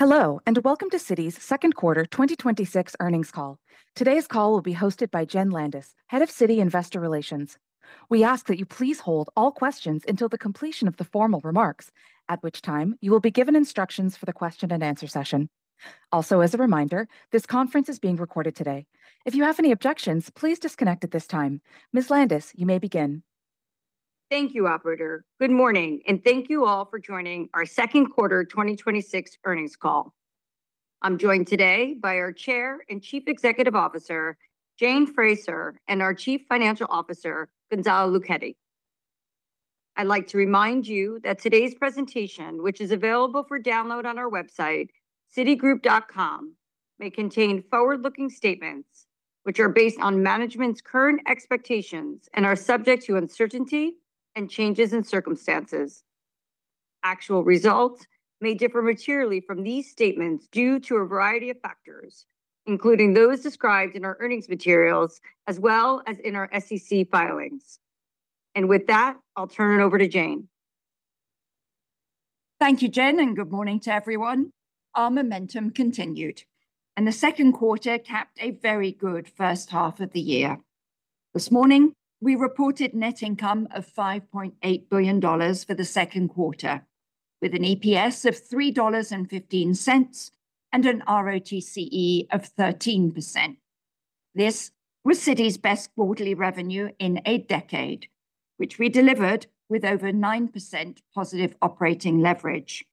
Hello, welcome to Citi's second quarter 2026 earnings call. Today's call will be hosted by Jenn Landis, Head of Citi Investor Relations. We ask that you please hold all questions until the completion of the formal remarks, at which time you will be given instructions for the question and answer session. Also, as a reminder, this conference is being recorded today. If you have any objections, please disconnect at this time. Ms. Landis, you may begin. Thank you, operator. Good morning, thank you all for joining our second quarter 2026 earnings call. I'm joined today by our Chair and Chief Executive Officer, Jane Fraser, and our Chief Financial Officer, Gonzalo Luchetti. I'd like to remind you that today's presentation, which is available for download on our website, citigroup.com, may contain forward-looking statements which are based on management's current expectations and are subject to uncertainty and changes in circumstances. Actual results may differ materially from these statements due to a variety of factors, including those described in our earnings materials, as well as in our SEC filings. With that, I'll turn it over to Jane. Thank you, Jen, good morning to everyone. Our momentum continued, the second quarter capped a very good first half of the year. This morning, we reported net income of $5.8 billion for the second quarter, with an EPS of $3.15 and an RoTCE of 13%. This was Citi's best quarterly revenue in a decade, which we delivered with over 9% positive operating leverage.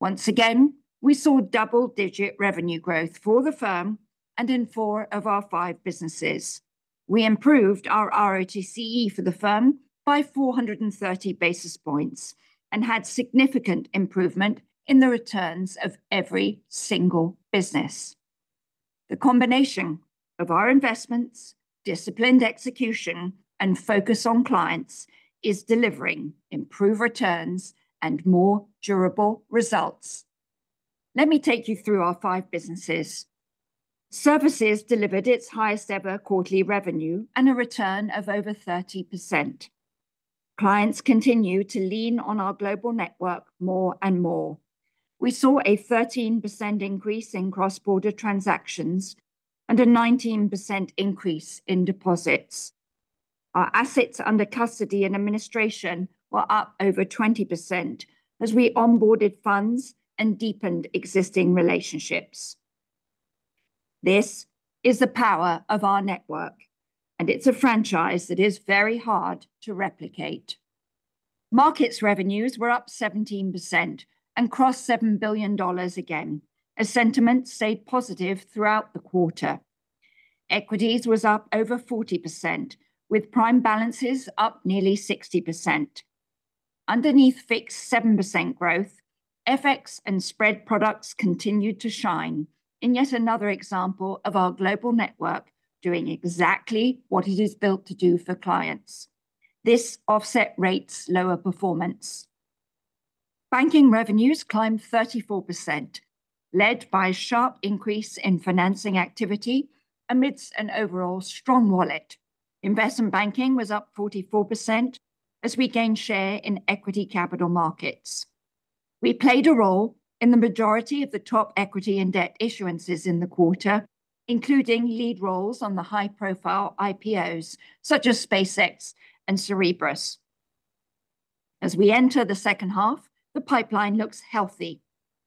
Once again, we saw double-digit revenue growth for the firm and in four of our five businesses. We improved our RoTCE for the firm by 430 basis points and had significant improvement in the returns of every single business. The combination of our investments, disciplined execution, and focus on clients is delivering improved returns and more durable results. Let me take you through our five businesses. Services delivered its highest ever quarterly revenue and a return of over 30%. Clients continue to lean on our global network more and more. We saw a 13% increase in cross-border transactions, a 19% increase in deposits. Our assets under custody and administration were up over 20% as we onboarded funds and deepened existing relationships. This is the power of our network, it's a franchise that is very hard to replicate. Markets revenues were up 17% and crossed $7 billion again as sentiment stayed positive throughout the quarter. Equities was up over 40%, with prime balances up nearly 60%. Underneath fixed 7% growth, FX and spread products continued to shine in yet another example of our global network doing exactly what it is built to do for clients. This offset rates lower performance. Banking revenues climbed 34%, led by a sharp increase in financing activity amidst an overall strong wallet. Investment banking was up 44% as we gained share in equity capital Markets. We played a role in the majority of the top equity and debt issuances in the quarter, including lead roles on the high-profile IPOs such as SpaceX and Cerebras. As we enter the second half, the pipeline looks healthy,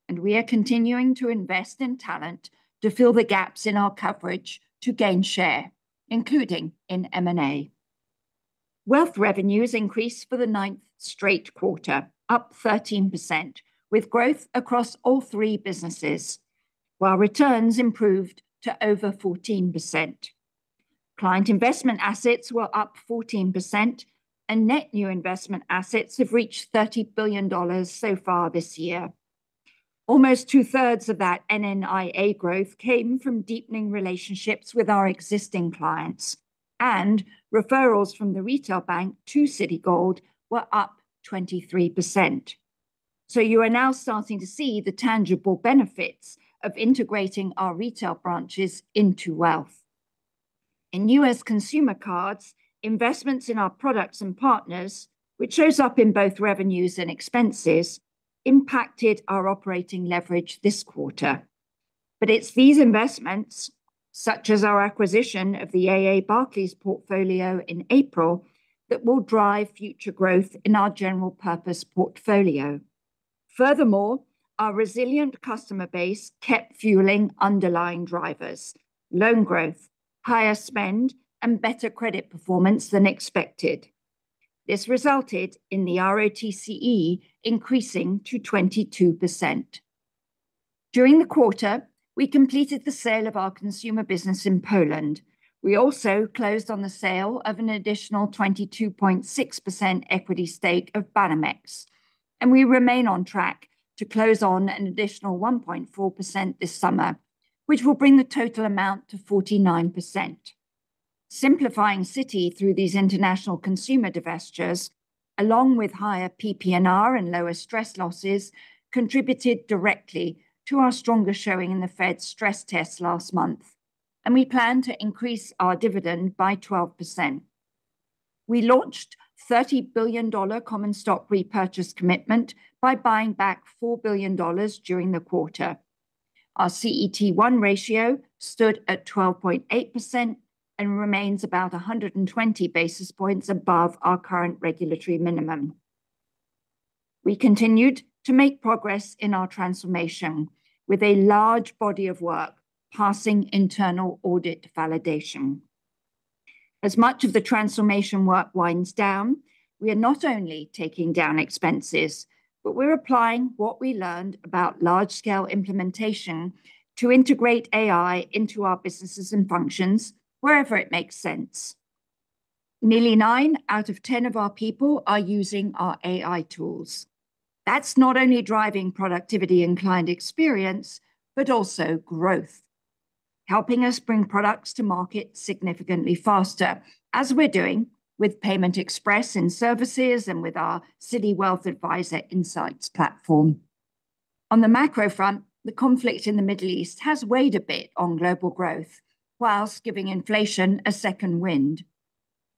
and we are continuing to invest in talent to fill the gaps in our coverage to gain share, including in M&A. Wealth revenues increased for the ninth straight quarter, up 13%, with growth across all three businesses, while returns improved to over 14%. Client investment assets were up 14%, and net new investment assets have reached $30 billion so far this year. Almost 2/3 of that NNIA growth came from deepening relationships with our existing clients, and referrals from the retail bank to Citigold were up 23%. You are now starting to see the tangible benefits of integrating our retail branches into Wealth. In U.S. Consumer Cards, investments in our products and partners, which shows up in both revenues and expenses, impacted our operating leverage this quarter. It's these investments, such as our acquisition of the AA Barclays portfolio in April, that will drive future growth in our general purpose portfolio. Furthermore, our resilient customer base kept fueling underlying drivers, loan growth, higher spend, and better credit performance than expected. This resulted in the RoTCE increasing to 22%. During the quarter, we completed the sale of our consumer business in Poland. We also closed on the sale of an additional 22.6% equity stake of Banamex, and we remain on track to close on an additional 1.4% this summer, which will bring the total amount to 49%. Simplifying Citi through these international consumer divestitures, along with higher PPNR and lower stress losses, contributed directly to our stronger showing in the Fed's stress test last month, and we plan to increase our dividend by 12%. We launched $30 billion common stock repurchase commitment by buying back $4 billion during the quarter. Our CET1 ratio stood at 12.8% and remains about 120 basis points above our current regulatory minimum. We continued to make progress in our transformation with a large body of work passing internal audit validation. As much of the transformation work winds down, we are not only taking down expenses, but we're applying what we learned about large-scale implementation to integrate AI into our businesses and functions wherever it makes sense. Nearly nine out of 10 of our people are using our AI tools. That's not only driving productivity and client experience, but also growth, helping us bring products to market significantly faster, as we're doing with Payments Express in Services and with our Citi Wealth Advisor Insights platform. On the macro front, the conflict in the Middle East has weighed a bit on global growth whilst giving inflation a second wind.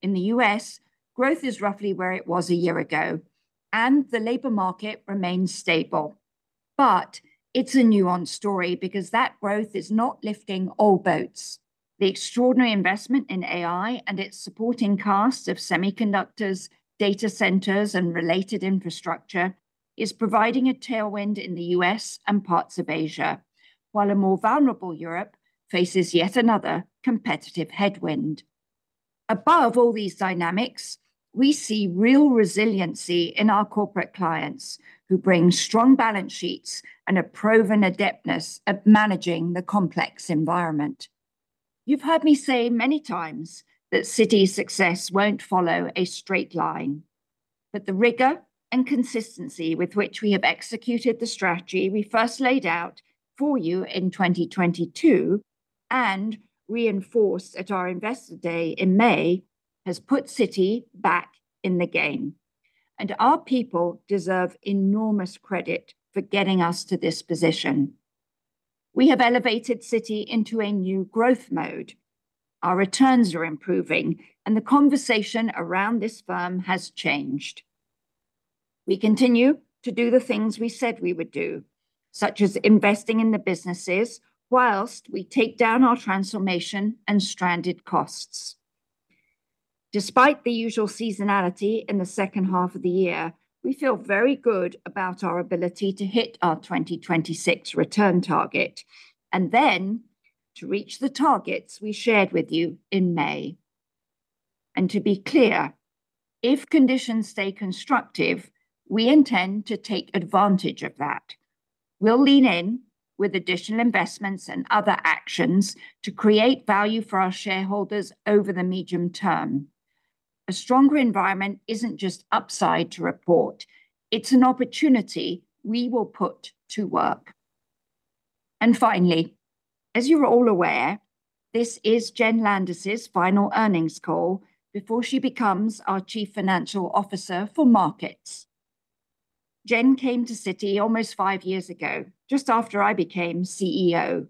In the U.S., growth is roughly where it was a year ago and the labor market remains stable. But, it's a nuanced story because that growth is not lifting all boats. The extraordinary investment in AI and its supporting cast of semiconductors, data centers, and related infrastructure is providing a tailwind in the U.S. and parts of Asia, while a more vulnerable Europe faces yet another competitive headwind. Above all these dynamics, we see real resiliency in our corporate clients who bring strong balance sheets and a proven adeptness at managing the complex environment. You've heard me say many times that Citi's success won't follow a straight line, but the rigor and consistency with which we have executed the strategy we first laid out for you in 2022, and reinforced at our Investor Day in May, has put Citi back in the game, and our people deserve enormous credit for getting us to this position. We have elevated Citi into a new growth mode. Our returns are improving and the conversation around this firm has changed. We continue to do the things we said we would do, such as investing in the businesses whilst we take down our transformation and stranded costs. Despite the usual seasonality in the second half of the year, we feel very good about our ability to hit our 2026 return target, then to reach the targets we shared with you in May. To be clear, if conditions stay constructive, we intend to take advantage of that. We'll lean in with additional investments and other actions to create value for our shareholders over the medium term. A stronger environment isn't just upside to report. It's an opportunity we will put to work. Finally, as you are all aware, this is Jenn Landis' final earnings call before she becomes our Chief Financial Officer for Markets. Jenn came to Citi almost five years ago, just after I became CEO.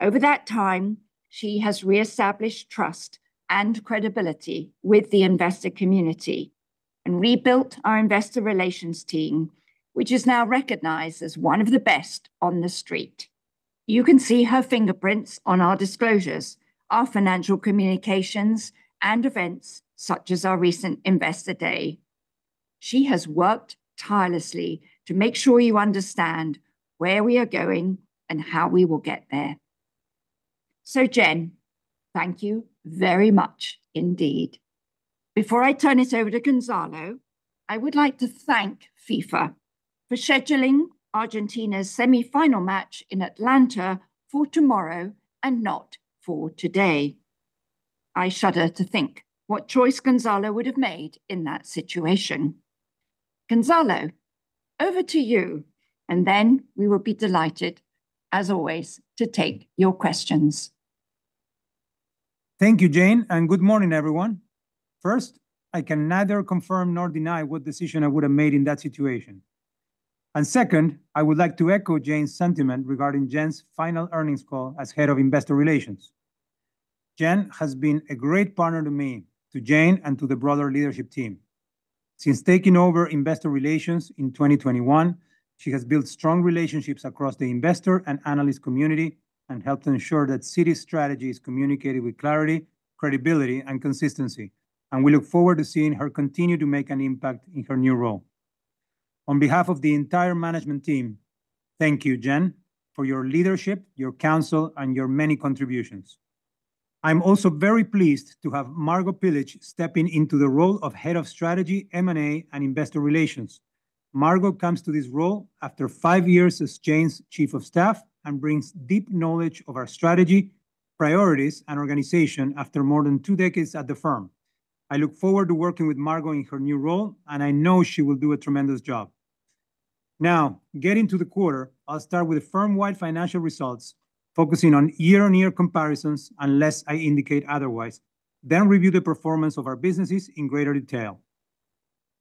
Over that time, she has reestablished trust and credibility with the investor community and rebuilt our investor relations team, which is now recognized as one of the best on the Street. You can see her fingerprints on our disclosures, our financial communications, and events such as our recent Investor Day. She has worked tirelessly to make sure you understand where we are going and how we will get there. So Jenn, thank you very much indeed. Before I turn it over to Gonzalo, I would like to thank FIFA for scheduling Argentina's semi-final match in Atlanta for tomorrow and not for today. I shudder to think what choice Gonzalo would have made in that situation. Gonzalo, over to you, and then we will be delighted, as always, to take your questions. Thank you, Jane. Good morning, everyone. First, I can neither confirm nor deny what decision I would've made in that situation. Second, I would like to echo Jane's sentiment regarding Jenn's final earnings call as head of investor relations. Jenn has been a great partner to me, to Jane, and to the broader leadership team. Since taking over investor relations in 2021, she has built strong relationships across the investor and analyst community and helped ensure that Citi's strategy is communicated with clarity, credibility, and consistency. We look forward to seeing her continue to make an impact in her new role. On behalf of the entire management team, thank you, Jenn, for your leadership, your counsel, and your many contributions. I'm also very pleased to have Margo Pilic stepping into the role of head of strategy, M&A, and investor relations. Margo comes to this role after five years as Jane's chief of staff and brings deep knowledge of our strategy, priorities, and organization after more than two decades at the firm. I look forward to working with Margo in her new role, and I know she will do a tremendous job. Getting to the quarter, I'll start with firm-wide financial results, focusing on year-on-year comparisons unless I indicate otherwise, then review the performance of our businesses in greater detail.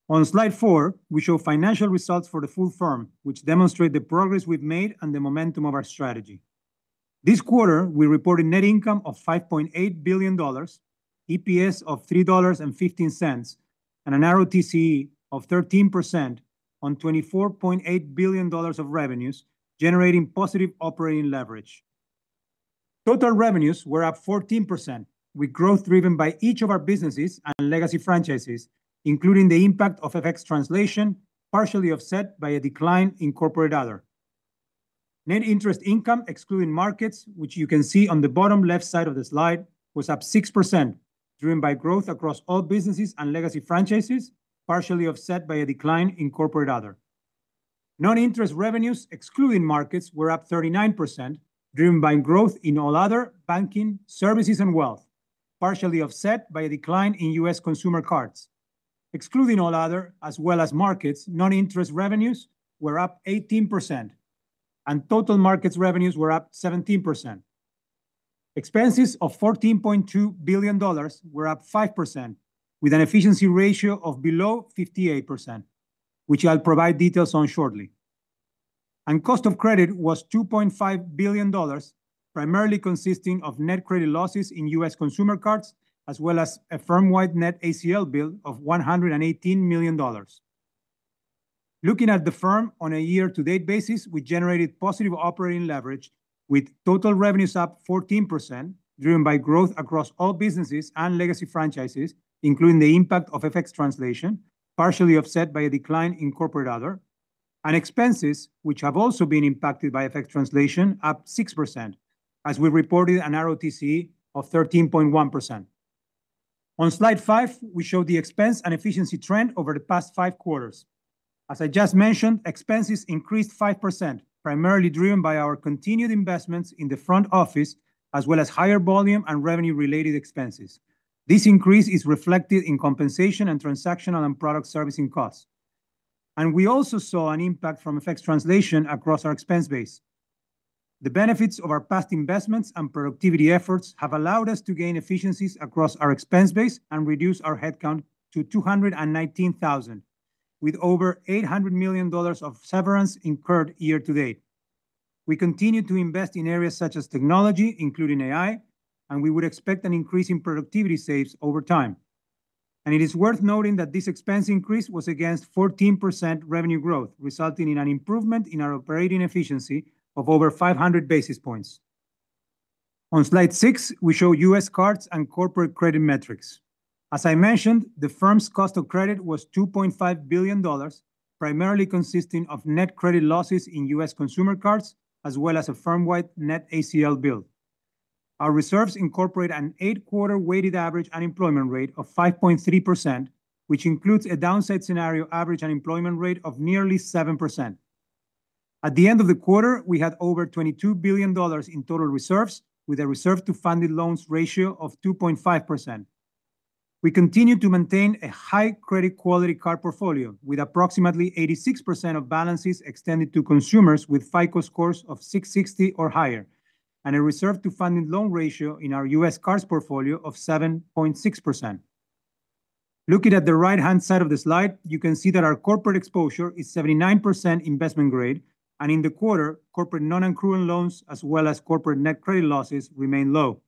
On slide four, we show financial results for the full firm, which demonstrate the progress we've made and the momentum of our strategy. This quarter, we reported net income of $5.8 billion, EPS of $3.15, and an RoTCE of 13% on $24.8 billion of revenues, generating positive operating leverage. Total revenues were up 14%, with growth driven by each of our businesses and legacy franchises, including the impact of FX translation, partially offset by a decline in corporate other. Net interest income, excluding Markets, which you can see on the bottom left side of the slide, was up 6%, driven by growth across all businesses and legacy franchises, partially offset by a decline in corporate other. Non-interest revenues, excluding Markets, were up 39%, driven by growth in all other banking services and Wealth, partially offset by a decline in U.S. consumer cards. Excluding all other, as well as Markets, non-interest revenues were up 18%, and total Markets revenues were up 17%. Expenses of $14.2 billion were up 5%, with an efficiency ratio of below 58%, which I'll provide details on shortly. Cost of credit was $2.5 billion, primarily consisting of net credit losses in U.S. consumer cards, as well as a firm-wide net ACL build of $118 million. Looking at the firm on a year-to-date basis, we generated positive operating leverage with total revenues up 14%, driven by growth across all businesses and legacy franchises, including the impact of FX translation, partially offset by a decline in corporate other, and expenses, which have also been impacted by FX translation, up 6%, as we reported an RoTCE of 13.1%. On slide five, we show the expense and efficiency trend over the past five quarters. As I just mentioned, expenses increased 5%, primarily driven by our continued investments in the front office, as well as higher volume and revenue-related expenses. This increase is reflected in compensation and transactional and product servicing costs. We also saw an impact from FX translation across our expense base. The benefits of our past investments and productivity efforts have allowed us to gain efficiencies across our expense base and reduce our headcount to 219,000, with over $800 million of severance incurred year-to-date. We continue to invest in areas such as technology, including AI, and we would expect an increase in productivity saves over time. It is worth noting that this expense increase was against 14% revenue growth, resulting in an improvement in our operating efficiency of over 500 basis points. On slide six, we show U.S. cards and corporate credit metrics. As I mentioned, the firm's cost of credit was $2.5 billion, primarily consisting of net credit losses in U.S. consumer cards, as well as a firm-wide net ACL build. Our reserves incorporate an eight-quarter weighted average unemployment rate of 5.3%, which includes a downside scenario average unemployment rate of nearly 7%. At the end of the quarter, we had over $22 billion in total reserves, with a reserve to funded loans ratio of 2.5%. We continue to maintain a high credit quality card portfolio, with approximately 86% of balances extended to consumers with FICO scores of 660 or higher, and a reserve to funded loan ratio in our U.S. cards portfolio of 7.6%. Looking at the right-hand side of the slide, you can see that our corporate exposure is 79% investment grade, and in the quarter, corporate non-accruing loans, as well as corporate net credit losses, remain low.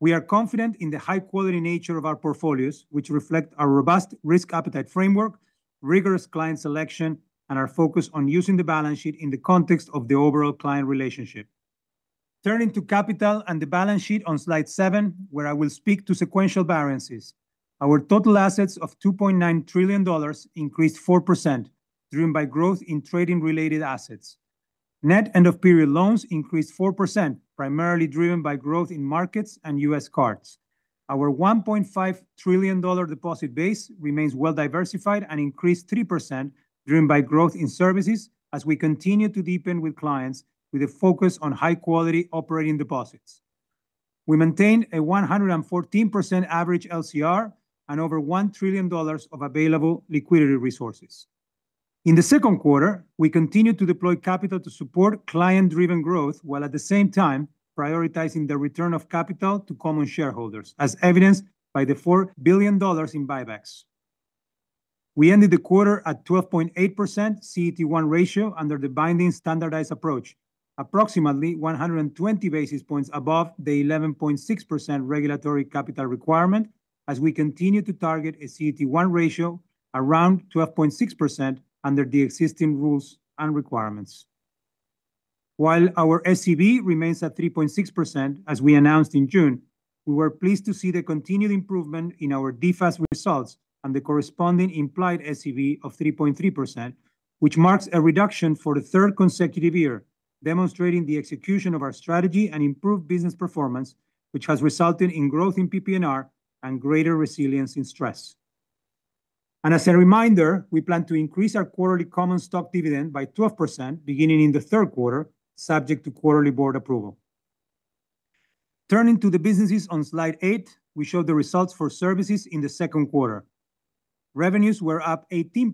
We are confident in the high-quality nature of our portfolios, which reflect our robust risk appetite framework, rigorous client selection, and our focus on using the balance sheet in the context of the overall client relationship. Turning to capital and the balance sheet on slide seven, where I will speak to sequential balances. Our total assets of $2.9 trillion increased 4%, driven by growth in trading-related assets. Net end-of-period loans increased 4%, primarily driven by growth in Markets and U.S. cards. Our $1.5 trillion deposit base remains well diversified and increased 3%, driven by growth in Services, as we continue to deepen with clients, with a focus on high-quality operating deposits. We maintained a 114% average LCR and over $1 trillion of available liquidity resources. In the second quarter, we continued to deploy capital to support client-driven growth, while at the same time prioritizing the return of capital to common shareholders, as evidenced by the $4 billion in buybacks. We ended the quarter at 12.8% CET1 ratio under the binding standardized approach, approximately 120 basis points above the 11.6% regulatory capital requirement, as we continue to target a CET1 ratio around 12.6% under the existing rules and requirements. While our SCB remains at 3.6%, as we announced in June, we were pleased to see the continued improvement in our DFAST results and the corresponding implied SCB of 3.3%, which marks a reduction for the third consecutive year, demonstrating the execution of our strategy and improved business performance, which has resulted in growth in PPNR and greater resilience in stress. As a reminder, we plan to increase our quarterly common stock dividend by 12% beginning in the third quarter, subject to quarterly board approval. Turning to the businesses on slide eight, we show the results for Services in the second quarter. Revenues were up 18%,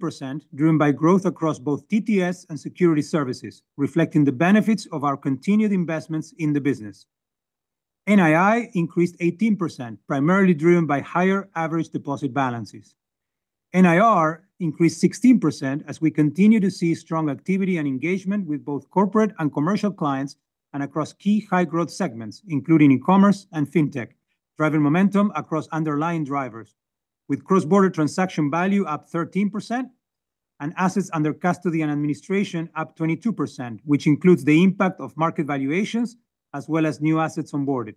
driven by growth across both TTS and Security Services, reflecting the benefits of our continued investments in the business. NII increased 18%, primarily driven by higher average deposit balances. NIR increased 16% as we continue to see strong activity and engagement with both corporate and commercial clients, and across key high growth segments, including e-commerce and fintech, driving momentum across underlying drivers with cross-border transaction value up 13% and assets under custody and administration up 22%, which includes the impact of market valuations as well as new assets onboarded.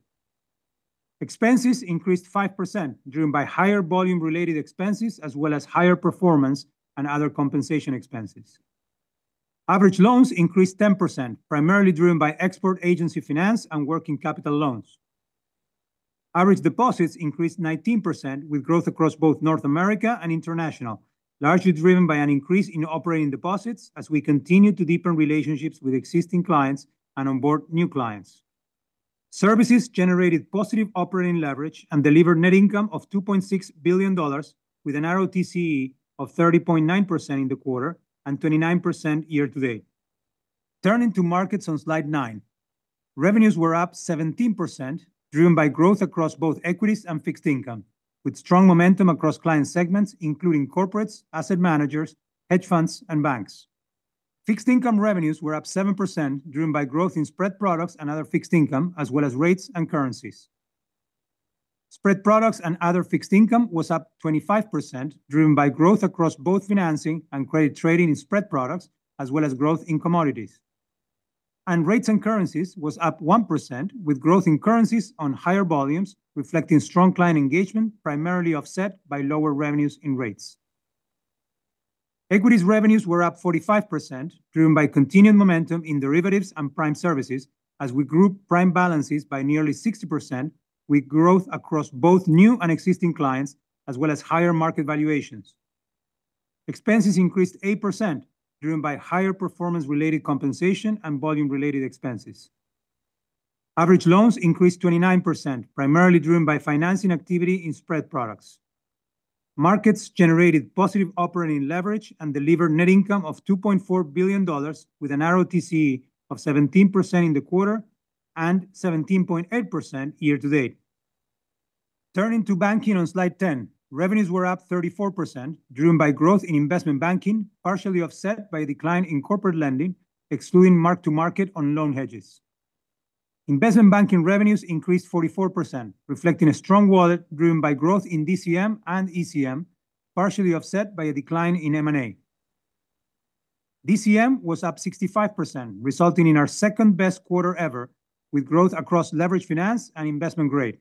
Expenses increased 5%, driven by higher volume-related expenses as well as higher performance and other compensation expenses. Average loans increased 10%, primarily driven by export agency finance and working capital loans. Average deposits increased 19% with growth across both North America and international, largely driven by an increase in operating deposits as we continue to deepen relationships with existing clients and onboard new clients. Services generated positive operating leverage and delivered net income of $2.6 billion with an RoTCE of 30.9% in the quarter and 29% year to date. Turning to Markets on slide nine. Revenues were up 17%, driven by growth across both equities and fixed income, with strong momentum across client segments including corporates, asset managers, hedge funds and banks. Fixed income revenues were up 7%, driven by growth in spread products and other fixed income, as well as rates and currencies. Spread products and other fixed income was up 25%, driven by growth across both financing and credit trading in spread products, as well as growth in commodities. Rates and currencies was up 1% with growth in currencies on higher volumes reflecting strong client engagement, primarily offset by lower revenues in rates. Equities revenues were up 45%, driven by continued momentum in derivatives and prime services as we grew prime balances by nearly 60%, with growth across both new and existing clients, as well as higher market valuations. Expenses increased 8%, driven by higher performance-related compensation and volume-related expenses. Average loans increased 29%, primarily driven by financing activity in spread products. Markets generated positive operating leverage and delivered net income of $2.4 billion, with an RoTCE of 17% in the quarter and 17.8% year to date. Turning to banking on slide 10. Revenues were up 34%, driven by growth in investment banking, partially offset by a decline in corporate lending, excluding mark-to-market on loan hedges. Investment banking revenues increased 44%, reflecting a strong wallet driven by growth in DCM and ECM, partially offset by a decline in M&A. DCM was up 65%, resulting in our second-best quarter ever with growth across leveraged finance and investment grade.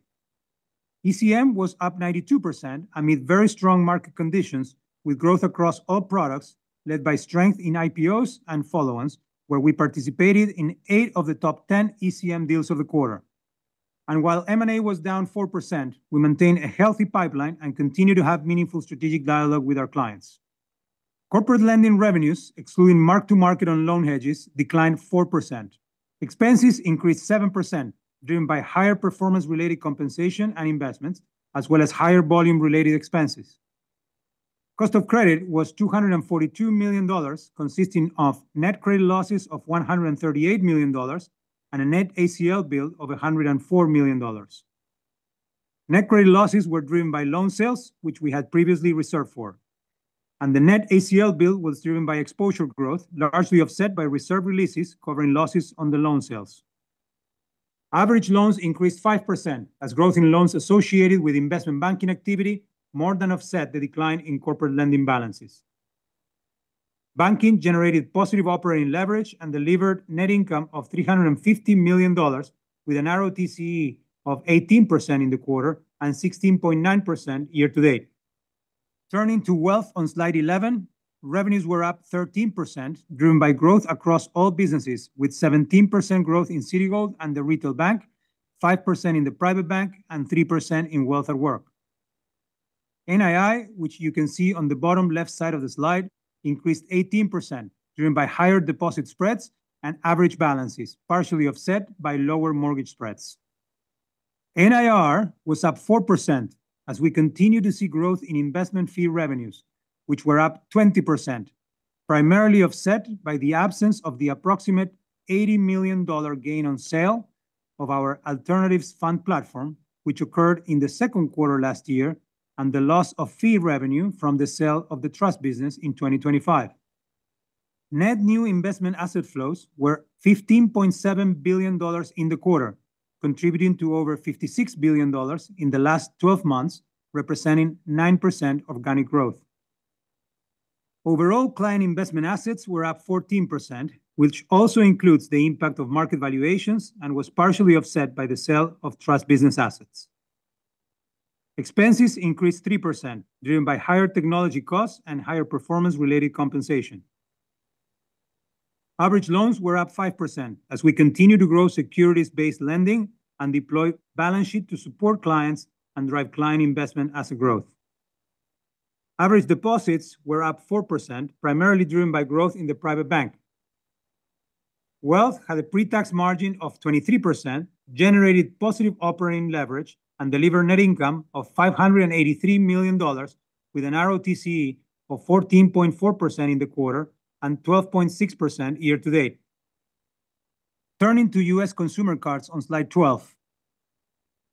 ECM was up 92% amid very strong market conditions with growth across all products led by strength in IPOs and follow-ons, where we participated in eight of the top 10 ECM deals of the quarter. While M&A was down 4%, we maintained a healthy pipeline and continue to have meaningful strategic dialogue with our clients. Corporate lending revenues, excluding mark-to-market on loan hedges, declined 4%. Expenses increased 7%, driven by higher performance-related compensation and investments, as well as higher volume-related expenses. Cost of credit was $242 million, consisting of net credit losses of $138 million and a net ACL build of $104 million. Net credit losses were driven by loan sales, which we had previously reserved for. The net ACL build was driven by exposure growth, largely offset by reserve releases covering losses on the loan sales. Average loans increased 5% as growth in loans associated with investment banking activity more than offset the decline in corporate lending balances. Banking generated positive operating leverage and delivered net income of $350 million, with an RoTCE of 18% in the quarter and 16.9% year to date. Turning to Wealth on slide 11. Revenues were up 13%, driven by growth across all businesses, with 17% growth in Citigold and the Retail Bank, 5% in the Private Bank and 3% in Wealth at Work. NII, which you can see on the bottom left side of the slide, increased 18%, driven by higher deposit spreads and average balances, partially offset by lower mortgage spreads. NIR was up 4% as we continue to see growth in investment fee revenues, which were up 20%, primarily offset by the absence of the approximate $80 million gain on sale of our alternatives fund platform, which occurred in the second quarter last year, and the loss of fee revenue from the sale of the trust business in 2025. Net new investment asset flows were $15.7 billion in the quarter, contributing to over $56 billion in the last 12 months, representing 9% organic growth. Overall, client investment assets were up 14%, which also includes the impact of market valuations and was partially offset by the sale of trust business assets. Expenses increased 3%, driven by higher technology costs and higher performance-related compensation. Average loans were up 5% as we continue to grow securities-based lending and deploy balance sheet to support clients and drive client investment asset growth. Average deposits were up 4%, primarily driven by growth in the private bank. Wealth had a pre-tax margin of 23%, generated positive operating leverage, and delivered net income of $583 million with an RoTCE of 14.4% in the quarter and 12.6% year to date. Turning to U.S. consumer cards on slide 12.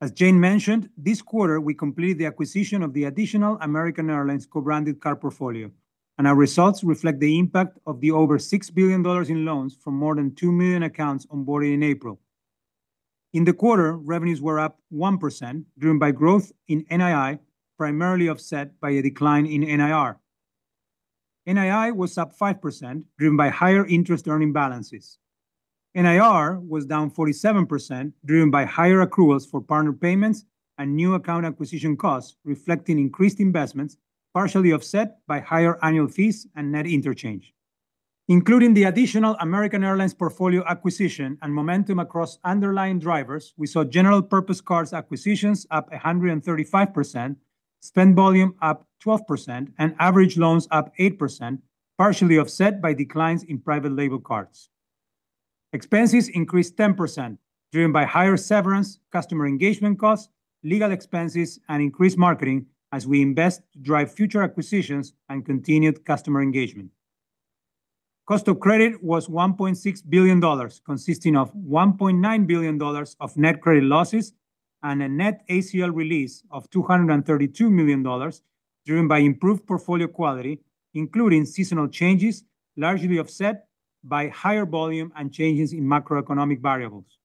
As Jane mentioned, this quarter we completed the acquisition of the additional American Airlines co-branded card portfolio, and our results reflect the impact of the over $6 billion in loans from more than 2 million accounts onboarded in April. In the quarter, revenues were up 1%, driven by growth in NII, primarily offset by a decline in NIR. NII was up 5%, driven by higher interest earning balances. NIR was down 47%, driven by higher accruals for partner payments and new account acquisition costs, reflecting increased investments, partially offset by higher annual fees and net interchange. Including the additional American Airlines portfolio acquisition and momentum across underlying drivers, we saw general purpose cards acquisitions up 135%, spend volume up 12%, and average loans up 8%, partially offset by declines in private label cards. Expenses increased 10%, driven by higher severance, customer engagement costs, legal expenses, and increased marketing as we invest to drive future acquisitions and continued customer engagement. Cost of credit was $1.6 billion, consisting of $1.9 billion of net credit losses and a net ACL release of $232 million, driven by improved portfolio quality, including seasonal changes, largely offset by higher volume and changes in macroeconomic variables.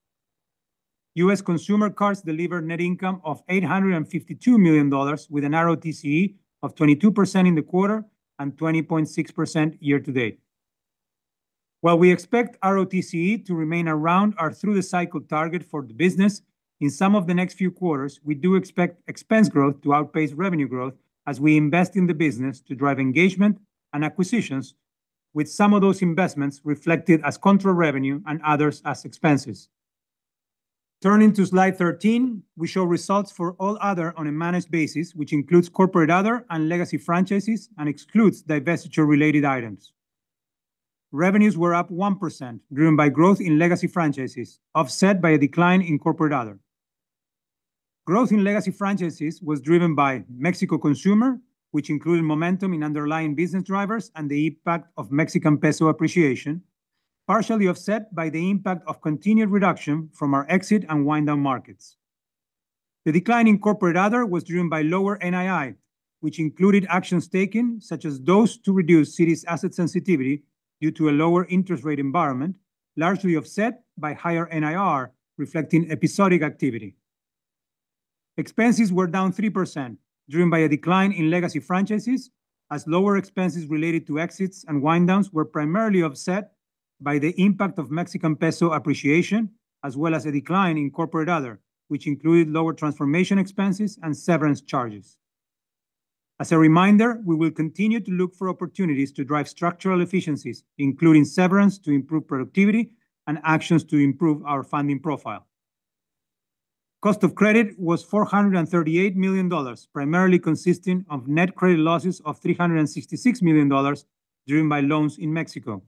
U.S. consumer cards delivered net income of $852 million with an RoTCE of 22% in the quarter and 20.6% year to date. While we expect RoTCE to remain around our through-the-cycle target for the business, in some of the next few quarters, we do expect expense growth to outpace revenue growth as we invest in the business to drive engagement and acquisitions with some of those investments reflected as contra revenue and others as expenses. Turning to slide 13, we show results for all other on a managed basis, which includes corporate other and legacy franchises and excludes divestiture related items. Revenues were up 1%, driven by growth in legacy franchises, offset by a decline in corporate other. Growth in Mexico consumer, which included momentum in underlying business drivers and the impact of Mexican peso appreciation, partially offset by the impact of continued reduction from our exit and wind-down Markets. The decline in corporate other was driven by lower NII, which included actions taken, such as those to reduce Citi's asset sensitivity due to a lower interest rate environment, largely offset by higher NIR reflecting episodic activity. Expenses were down 3%, driven by a decline in legacy franchises as lower expenses related to exits and wind-downs were primarily offset by the impact of Mexican peso appreciation, as well as a decline in corporate other, which included lower transformation expenses and severance charges. As a reminder, we will continue to look for opportunities to drive structural efficiencies, including severance to improve productivity and actions to improve our funding profile. Cost of credit was $438 million, primarily consisting of net credit losses of $366 million, driven by loans in Mexico.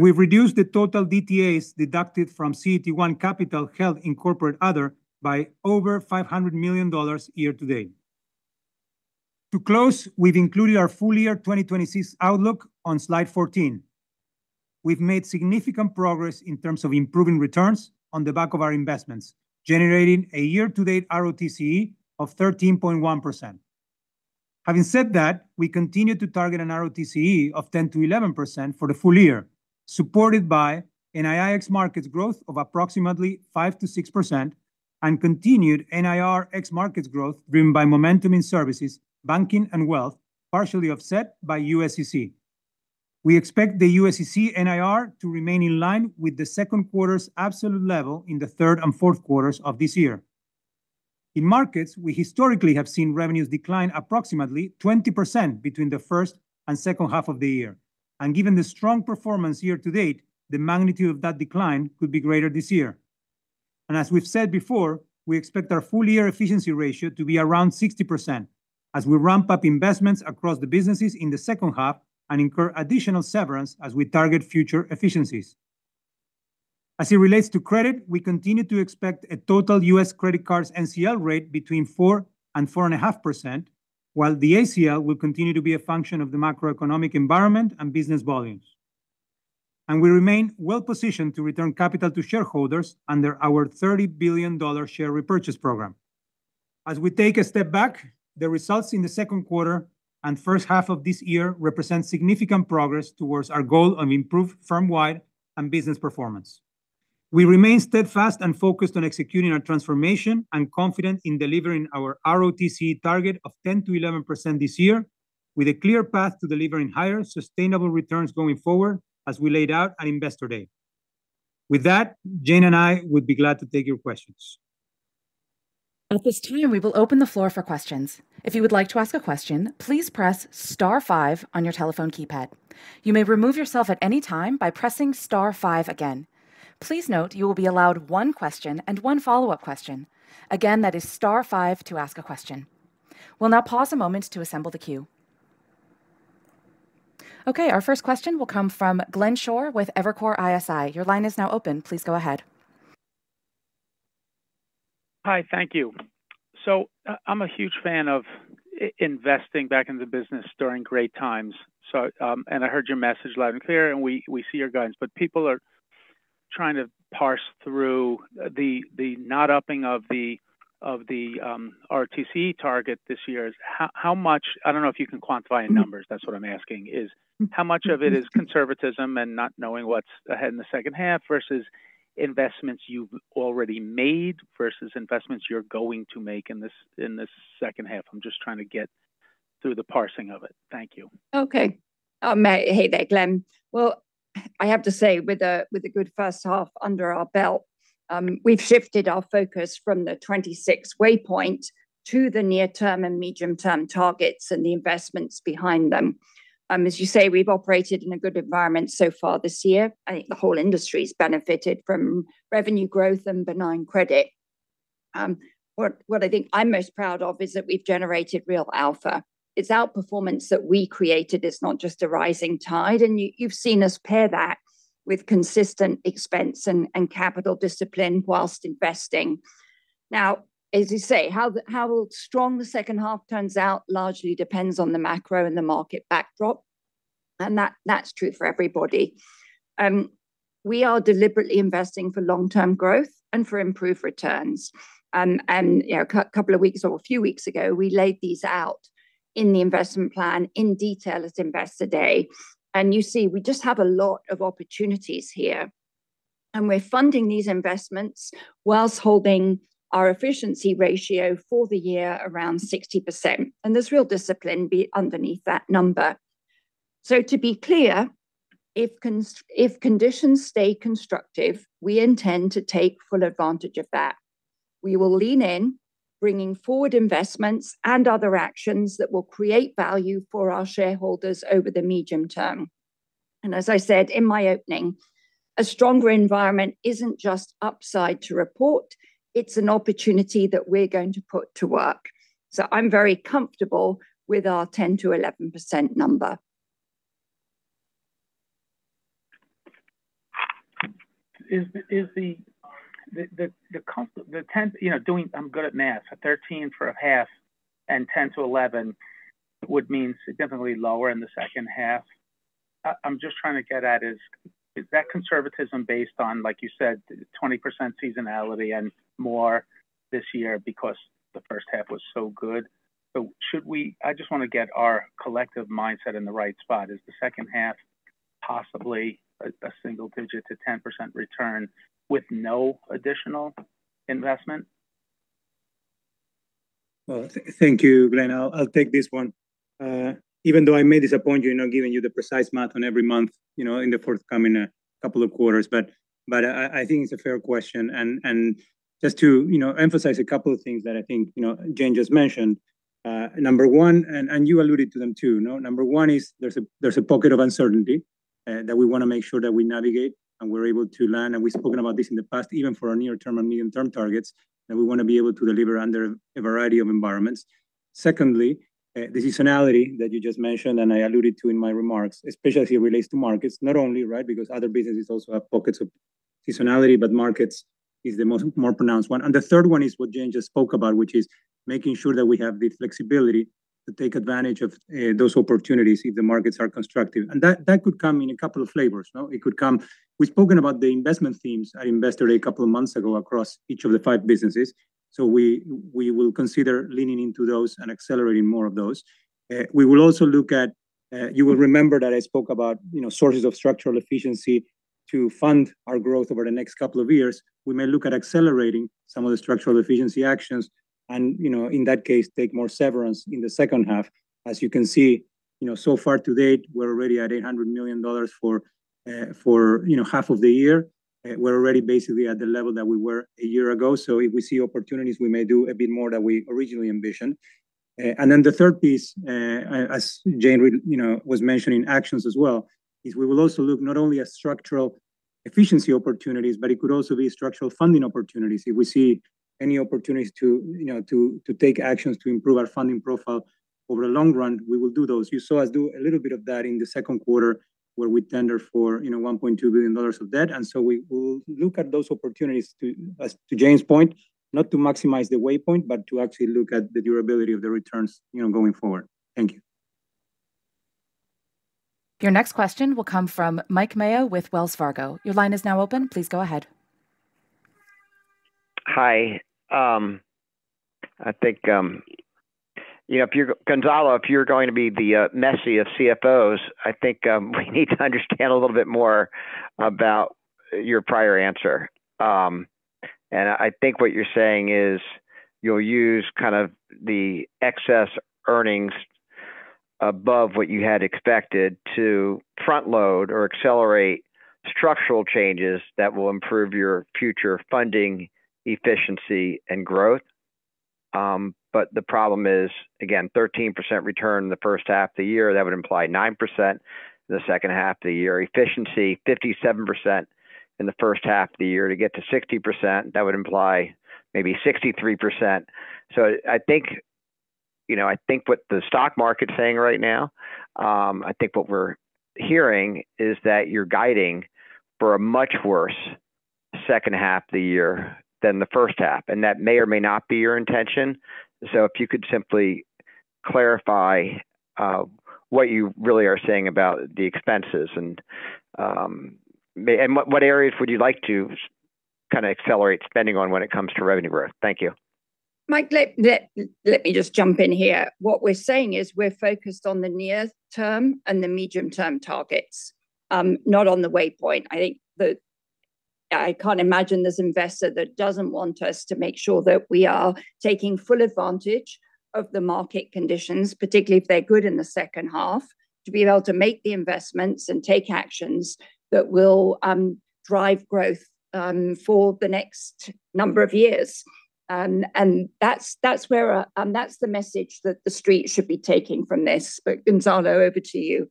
We've reduced the total DTAs deducted from CET1 capital held in corporate other by over $500 million year to date. To close, we've included our full year 2026 outlook on slide 14. We've made significant progress in terms of improving returns on the back of our investments, generating a year-to-date RoTCE of 13.1%. Having said that, we continue to target an RoTCE of 10%-11% for the full year, supported by NII ex Markets growth of approximately 5%-6% and continued NIR ex Markets growth driven by momentum in services, banking, and Wealth, partially offset by USCC. We expect the USCC NIR to remain in line with the second quarter's absolute level in the third and fourth quarters of this year. In Markets, we historically have seen revenues decline approximately 20% between the first and second half of the year. Given the strong performance year to date, the magnitude of that decline could be greater this year. As we've said before, we expect our full year efficiency ratio to be around 60% as we ramp up investments across the businesses in the second half and incur additional severance as we target future efficiencies. As it relates to credit, we continue to expect a total U.S. credit cards NCL rate between 4% and 4.5%, while the ACL will continue to be a function of the macroeconomic environment and business volumes. We remain well-positioned to return capital to shareholders under our $30 billion share repurchase program. As we take a step back, the results in the second quarter and first half of this year represent significant progress towards our goal of improved firm-wide and business performance. We remain steadfast and focused on executing our transformation and confident in delivering our RoTCE target of 10%-11% this year with a clear path to delivering higher sustainable returns going forward as we laid out at Investor Day. With that, Jane and I would be glad to take your questions. At this time, we will open the floor for questions. If you would like to ask a question, please press star five on your telephone keypad. You may remove yourself at any time by pressing star five again. Please note you will be allowed one question and one follow-up question. Again, that is star five to ask a question. We will now pause a moment to assemble the queue. Okay. Our first question will come from Glenn Schorr with Evercore ISI. Your line is now open. Please go ahead. Hi, thank you. I'm a huge fan of investing back in the business during great times. I heard your message loud and clear, and we see your guidance, but people are trying to parse through the not upping of the RoTCE target this year. I don't know if you can quantify in numbers, that's what I'm asking is, how much of it is conservatism and not knowing what's ahead in the second half, versus investments you've already made, versus investments you're going to make in this second half? I'm just trying to get through the parsing of it. Thank you. Okay. Hey there, Glenn. Well, I have to say, with a good first half under our belt, we've shifted our focus from the 2026 waypoint to the near-term and medium-term targets and the investments behind them. As you say, we've operated in a good environment so far this year. I think the whole industry's benefited from revenue growth and benign credit. What I think I'm most proud of is that we've generated real alpha. It's outperformance that we created, it's not just a rising tide, and you've seen us pair that with consistent expense and capital discipline while investing. As you say, how strong the second half turns out largely depends on the macro and the market backdrop, and that's true for everybody. We are deliberately investing for long-term growth and for improved returns. A few weeks ago, we laid these out in the investment plan in detail at Investor Day. You see, we just have a lot of opportunities here, and we're funding these investments while holding our efficiency ratio for the year around 60%. There's real discipline underneath that number. To be clear, if conditions stay constructive, we intend to take full advantage of that. We will lean in, bringing forward investments and other actions that will create value for our shareholders over the medium term. As I said in my opening, a stronger environment isn't just upside to report, it's an opportunity that we're going to put to work. I'm very comfortable with our 10%-11% number. I'm good at math. 13% for a half and 10%-11% would mean significantly lower in the second half. I'm just trying to get at, is that conservatism based on, like you said, 20% seasonality and more this year because the first half was so good? I just want to get our collective mindset in the right spot. Is the second half possibly a single digit to 10% return with no additional investment? Well, thank you, Glenn. I'll take this one. Even though I may disappoint you, not giving you the precise math on every month in the forthcoming couple of quarters. I think it's a fair question, just to emphasize a couple of things that I think Jane just mentioned. You alluded to them too. Number one is there's a pocket of uncertainty that we want to make sure that we navigate and we're able to learn, we've spoken about this in the past, even for our near-term and medium-term targets, that we want to be able to deliver under a variety of environments. Secondly, the seasonality that you just mentioned, I alluded to in my remarks, especially as it relates to Markets. Not only, because other businesses also have pockets of seasonality, but Markets is the more pronounced one. The third one is what Jane just spoke about, which is making sure that we have the flexibility to take advantage of those opportunities if the Markets are constructive. That could come in a couple of flavors. We've spoken about the investment themes at Investor Day a couple of months ago across each of the five businesses. We will consider leaning into those and accelerating more of those. You will remember that I spoke about sources of structural efficiency to fund our growth over the next couple of years. We may look at accelerating some of the structural efficiency actions and, in that case, take more severance in the second half. As you can see, so far to date, we're already at $800 million for half of the year. We're already basically at the level that we were a year ago. If we see opportunities, we may do a bit more than we originally envisioned. The third piece, as Jane was mentioning actions as well, is we will also look not only at structural efficiency opportunities, but it could also be structural funding opportunities. If we see any opportunities to take actions to improve our funding profile over the long run, we will do those. You saw us do a little bit of that in the second quarter where we tendered for $1.2 billion of debt. We will look at those opportunities, to Jane's point, not to maximize the waypoint, but to actually look at the durability of the returns going forward. Thank you. Your next question will come from Mike Mayo with Wells Fargo. Your line is now open. Please go ahead. Hi. Gonzalo, if you're going to be the Messi of CFOs, I think we need to understand a little bit more about your prior answer. I think what you're saying is you'll use the excess earnings above what you had expected to front-load or accelerate structural changes that will improve your future funding efficiency and growth. The problem is, again, 13% return the first half of the year, that would imply 9% the second half of the year. Efficiency, 57% in the first half of the year to get to 60%, that would imply maybe 63%. I think what the stock market's saying right now, I think what we're hearing is that you're guiding for a much worse second half of the year than the first half, and that may or may not be your intention. If you could simply clarify what you really are saying about the expenses, and what areas would you like to accelerate spending on when it comes to revenue growth? Thank you. Mike, let me just jump in here. What we're saying is we're focused on the near-term and the medium-term targets, not on the waypoint. I can't imagine there's an investor that doesn't want us to make sure that we are taking full advantage of the market conditions, particularly if they're good in the second half, to be able to make the investments and take actions that will drive growth for the next number of years. That's the message that the Street should be taking from this. Gonzalo, over to you.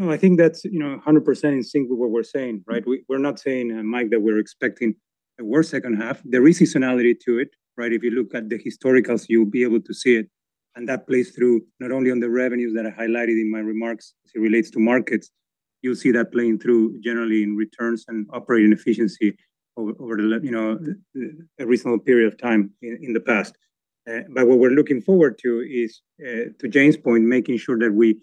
I think that's 100% in sync with what we're saying. We're not saying, Mike, that we're expecting a worse second half. There is seasonality to it. If you look at the historicals, you'll be able to see it. That plays through not only on the revenues that I highlighted in my remarks as it relates to Markets. You'll see that playing through generally in returns and operating efficiency over the recent period of time in the past. What we're looking forward to is, to Jane's point, making sure that we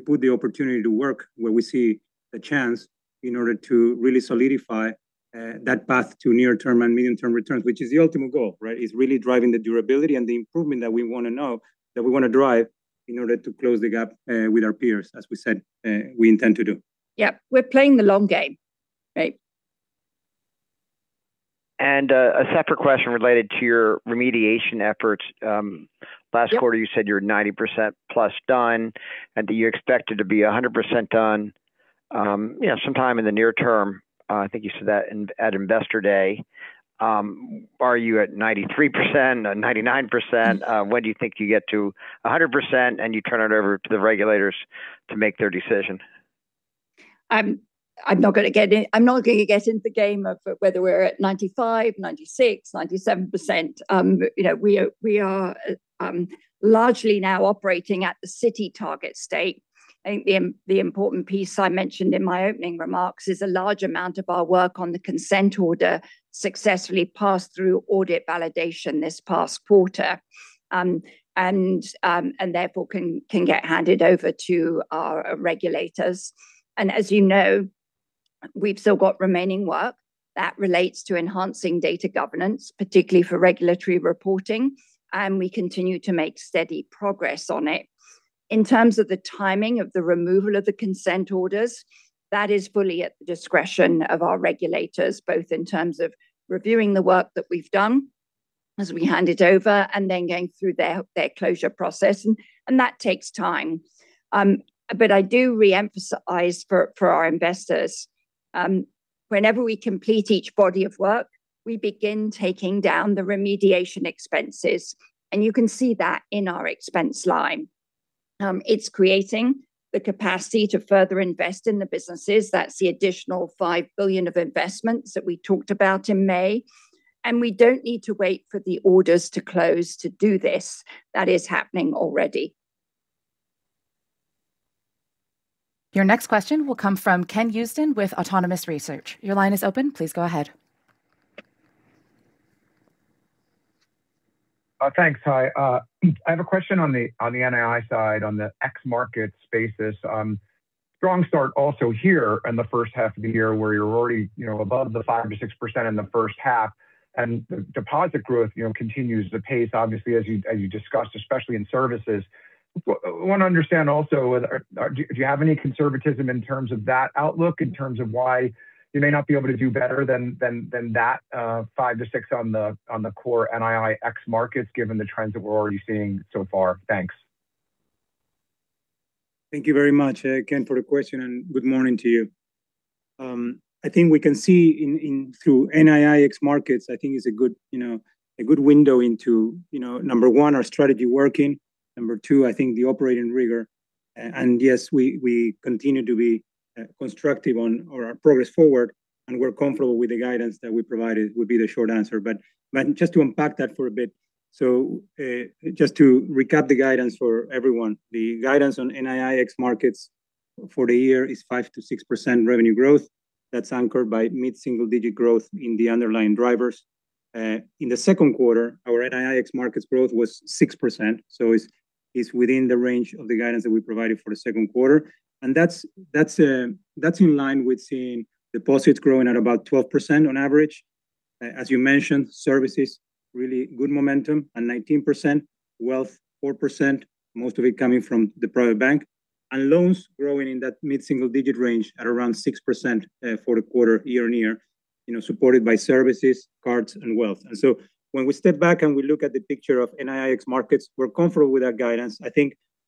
put the opportunity to work where we see a chance in order to really solidify that path to near-term and medium-term returns, which is the ultimate goal. It's really driving the durability and the improvement that we want to drive in order to close the gap with our peers, as we said we intend to do. We're playing the long game. Right. A separate question related to your remediation efforts. Yep. Last quarter, you said you're 90%+ done. Do you expect it to be 100% done sometime in the near term? I think you said that at Investor Day. Are you at 93%, 99%? When do you think you get to 100% and you turn it over to the regulators to make their decision? I'm not going to get into the game of whether we're at 95%, 96%, 97%. We are largely now operating at the Citi target state. I think the important piece I mentioned in my opening remarks is a large amount of our work on the consent order successfully passed through audit validation this past quarter. Therefore, can get handed over to our regulators. As you know, we've still got remaining work that relates to enhancing data governance, particularly for regulatory reporting, and we continue to make steady progress on it. In terms of the timing of the removal of the consent orders, that is fully at the discretion of our regulators, both in terms of reviewing the work that we've done as we hand it over, and then going through their closure process. That takes time. I do reemphasize for our investors, whenever we complete each body of work, we begin taking down the remediation expenses, and you can see that in our expense line. It's creating the capacity to further invest in the businesses. That's the additional $5 billion of investments that we talked about in May, and we don't need to wait for the orders to close to do this. That is happening already. Your next question will come from Ken Usdin with Autonomous Research. Your line is open. Please go ahead. Thanks. Hi. I have a question on the NII side, on the ex-Markets basis. Strong start also here in the first half of the year where you're already above the 5%-6% in the first half, and the target growth continues the pace, obviously, as you discussed, especially in services. I want to understand also, do you have any conservatism in terms of that outlook, in terms of why you may not be able to do better than that 5%-6% on the core NII ex-Markets given the trends that we're already seeing so far? Thanks. Thank you very much, Ken, for the question, and good morning to you. We can see through NII ex-Markets is a good window into, number one, our strategy working, number two, the operating rigor. Yes, we continue to be constructive on our progress forward, and we're comfortable with the guidance that we provided would be the short answer. Just to unpack that for a bit. Just to recap the guidance for everyone. The guidance on NII ex-Markets for the year is 5%-6% revenue growth. That's anchored by mid-single digit growth in the underlying drivers. In the second quarter, our NII ex-Markets growth was 6%, so it's within the range of the guidance that we provided for the second quarter. That's in line with seeing deposits growing at about 12% on average. As you mentioned, services, really good momentum at 19%, Wealth 4%, most of it coming from the Private Bank. Loans growing in that mid-single digit range at around 6% for the quarter year-on-year, supported by services, cards, and Wealth. When we step back and we look at the picture of NII ex-Markets, we're comfortable with that guidance.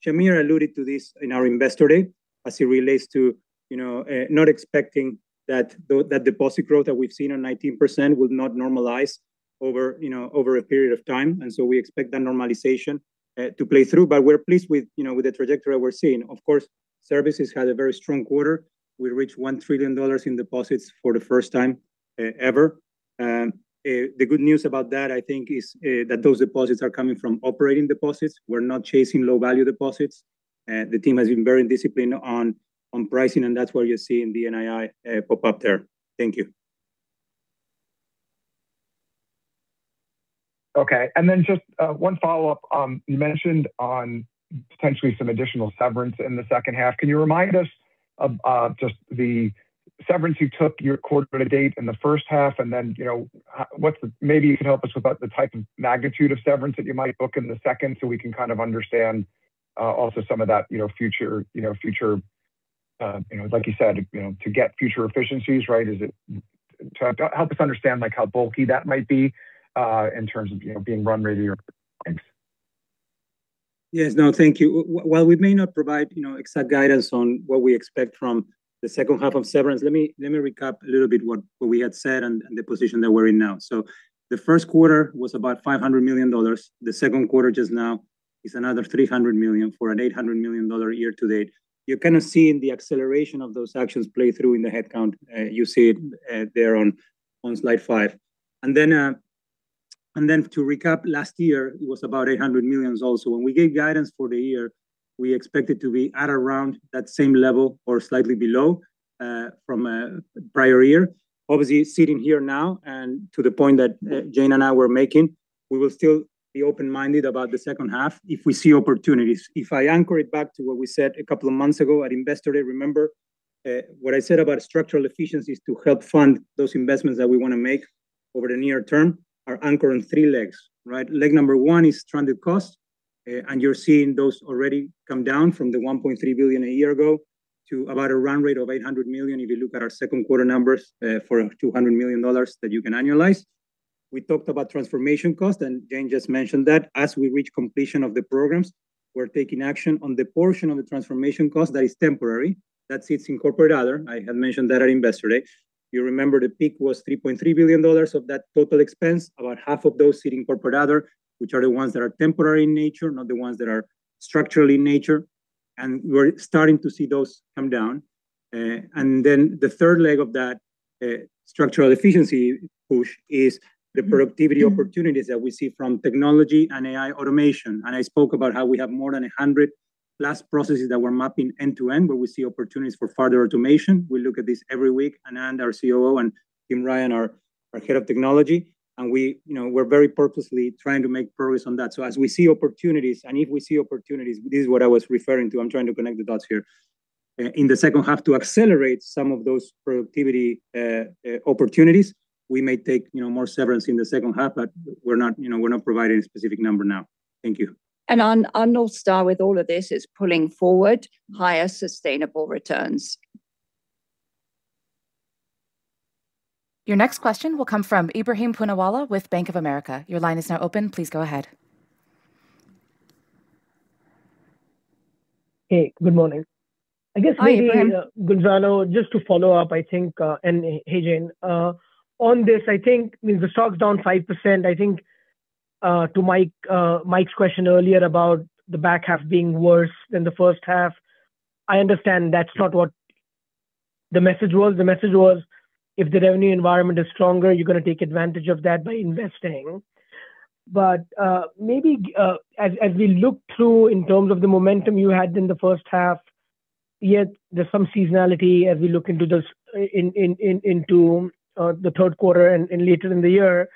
Shahmir alluded to this in our Investor Day as it relates to not expecting that deposit growth that we've seen at 19% will not normalize over a period of time. We expect that normalization to play through. We're pleased with the trajectory we're seeing. Of course, services had a very strong quarter. We reached $1 trillion in deposits for the first time ever. The good news about that is that those deposits are coming from operating deposits. We're not chasing low-value deposits. The team has been very disciplined on pricing, and that's why you're seeing the NII pop up there. Thank you. Okay. Just one follow-up. You mentioned on potentially some additional severance in the second half. Can you remind us of just the severance you took year quarter to date in the first half? Maybe you can help us about the type of magnitude of severance that you might book in the second so we can kind of understand also some of that, like you said, to get future efficiencies, right? Help us understand how bulky that might be in terms of being run rate year. Thanks. Yes. No, thank you. While we may not provide exact guidance on what we expect from the second half of severance, let me recap a little bit what we had said and the position that we're in now. The first quarter was about $500 million. The second quarter just now is another $300 million for an $800 million year to date. You're kind of seeing the acceleration of those actions play through in the headcount. You see it there on slide five. To recap, last year it was about $800 million also. When we gave guidance for the year, we expect it to be at around that same level or slightly below from prior year. Obviously, sitting here now, and to the point that Jane and I were making, we will still be open-minded about the second half if we see opportunities. If I anchor it back to what we said a couple of months ago at Investor Day, remember what I said about structural efficiencies to help fund those investments that we want to make over the near term are anchored in three legs, right? Leg number one is stranded cost, and you're seeing those already come down from the $1.3 billion a year ago to about a run rate of $800 million if you look at our second quarter numbers for $200 million that you can annualize. We talked about transformation cost, and Jane just mentioned that as we reach completion of the programs, we're taking action on the portion of the transformation cost that is temporary. That sits in corporate other. I had mentioned that at Investor Day. You remember the peak was $3.3 billion of that total expense. About half of those sit in corporate other, which are the ones that are temporary in nature, not the ones that are structural in nature. We're starting to see those come down. The third leg of that structural efficiency push is the productivity opportunities that we see from technology and AI automation. I spoke about how we have more than 100+ processes that we're mapping end to end where we see opportunities for further automation. We look at this every week. Anand, our COO, and Tim Ryan, our Head of Technology, and we're very purposely trying to make progress on that. As we see opportunities, and if we see opportunities, this is what I was referring to. I'm trying to connect the dots here. In the second half to accelerate some of those productivity opportunities, we may take more severance in the second half, but we're not providing a specific number now. Thank you. Our north star with all of this is pulling forward higher sustainable returns. Your next question will come from Ebrahim Poonawala with Bank of America. Your line is now open. Please go ahead. Hey, good morning. Hi, Ebrahim. I guess maybe, Gonzalo, just to follow up, I think, and hey, Jane. On this, I think the stock's down 5%. I think to Mike's question earlier about the back half being worse than the first half, I understand that's not what the message was. The message was, if the revenue environment is stronger, you're going to take advantage of that by investing. Maybe as we look through in terms of the momentum you had in the first half, yet there's some seasonality as we look into the third quarter and later in the year.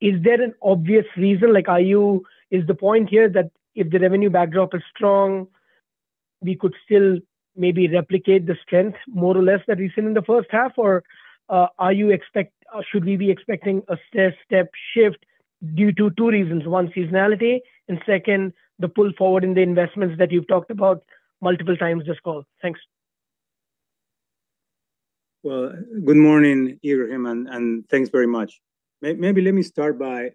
Is there an obvious reason? Is the point here that if the revenue backdrop is strong, we could still maybe replicate the strength more or less that we've seen in the first half? Should we be expecting a stair-step shift due to two reasons, one, seasonality, and second, the pull forward in the investments that you've talked about multiple times this call? Thanks. Well, good morning, Ebrahim, and thanks very much. Maybe let me start by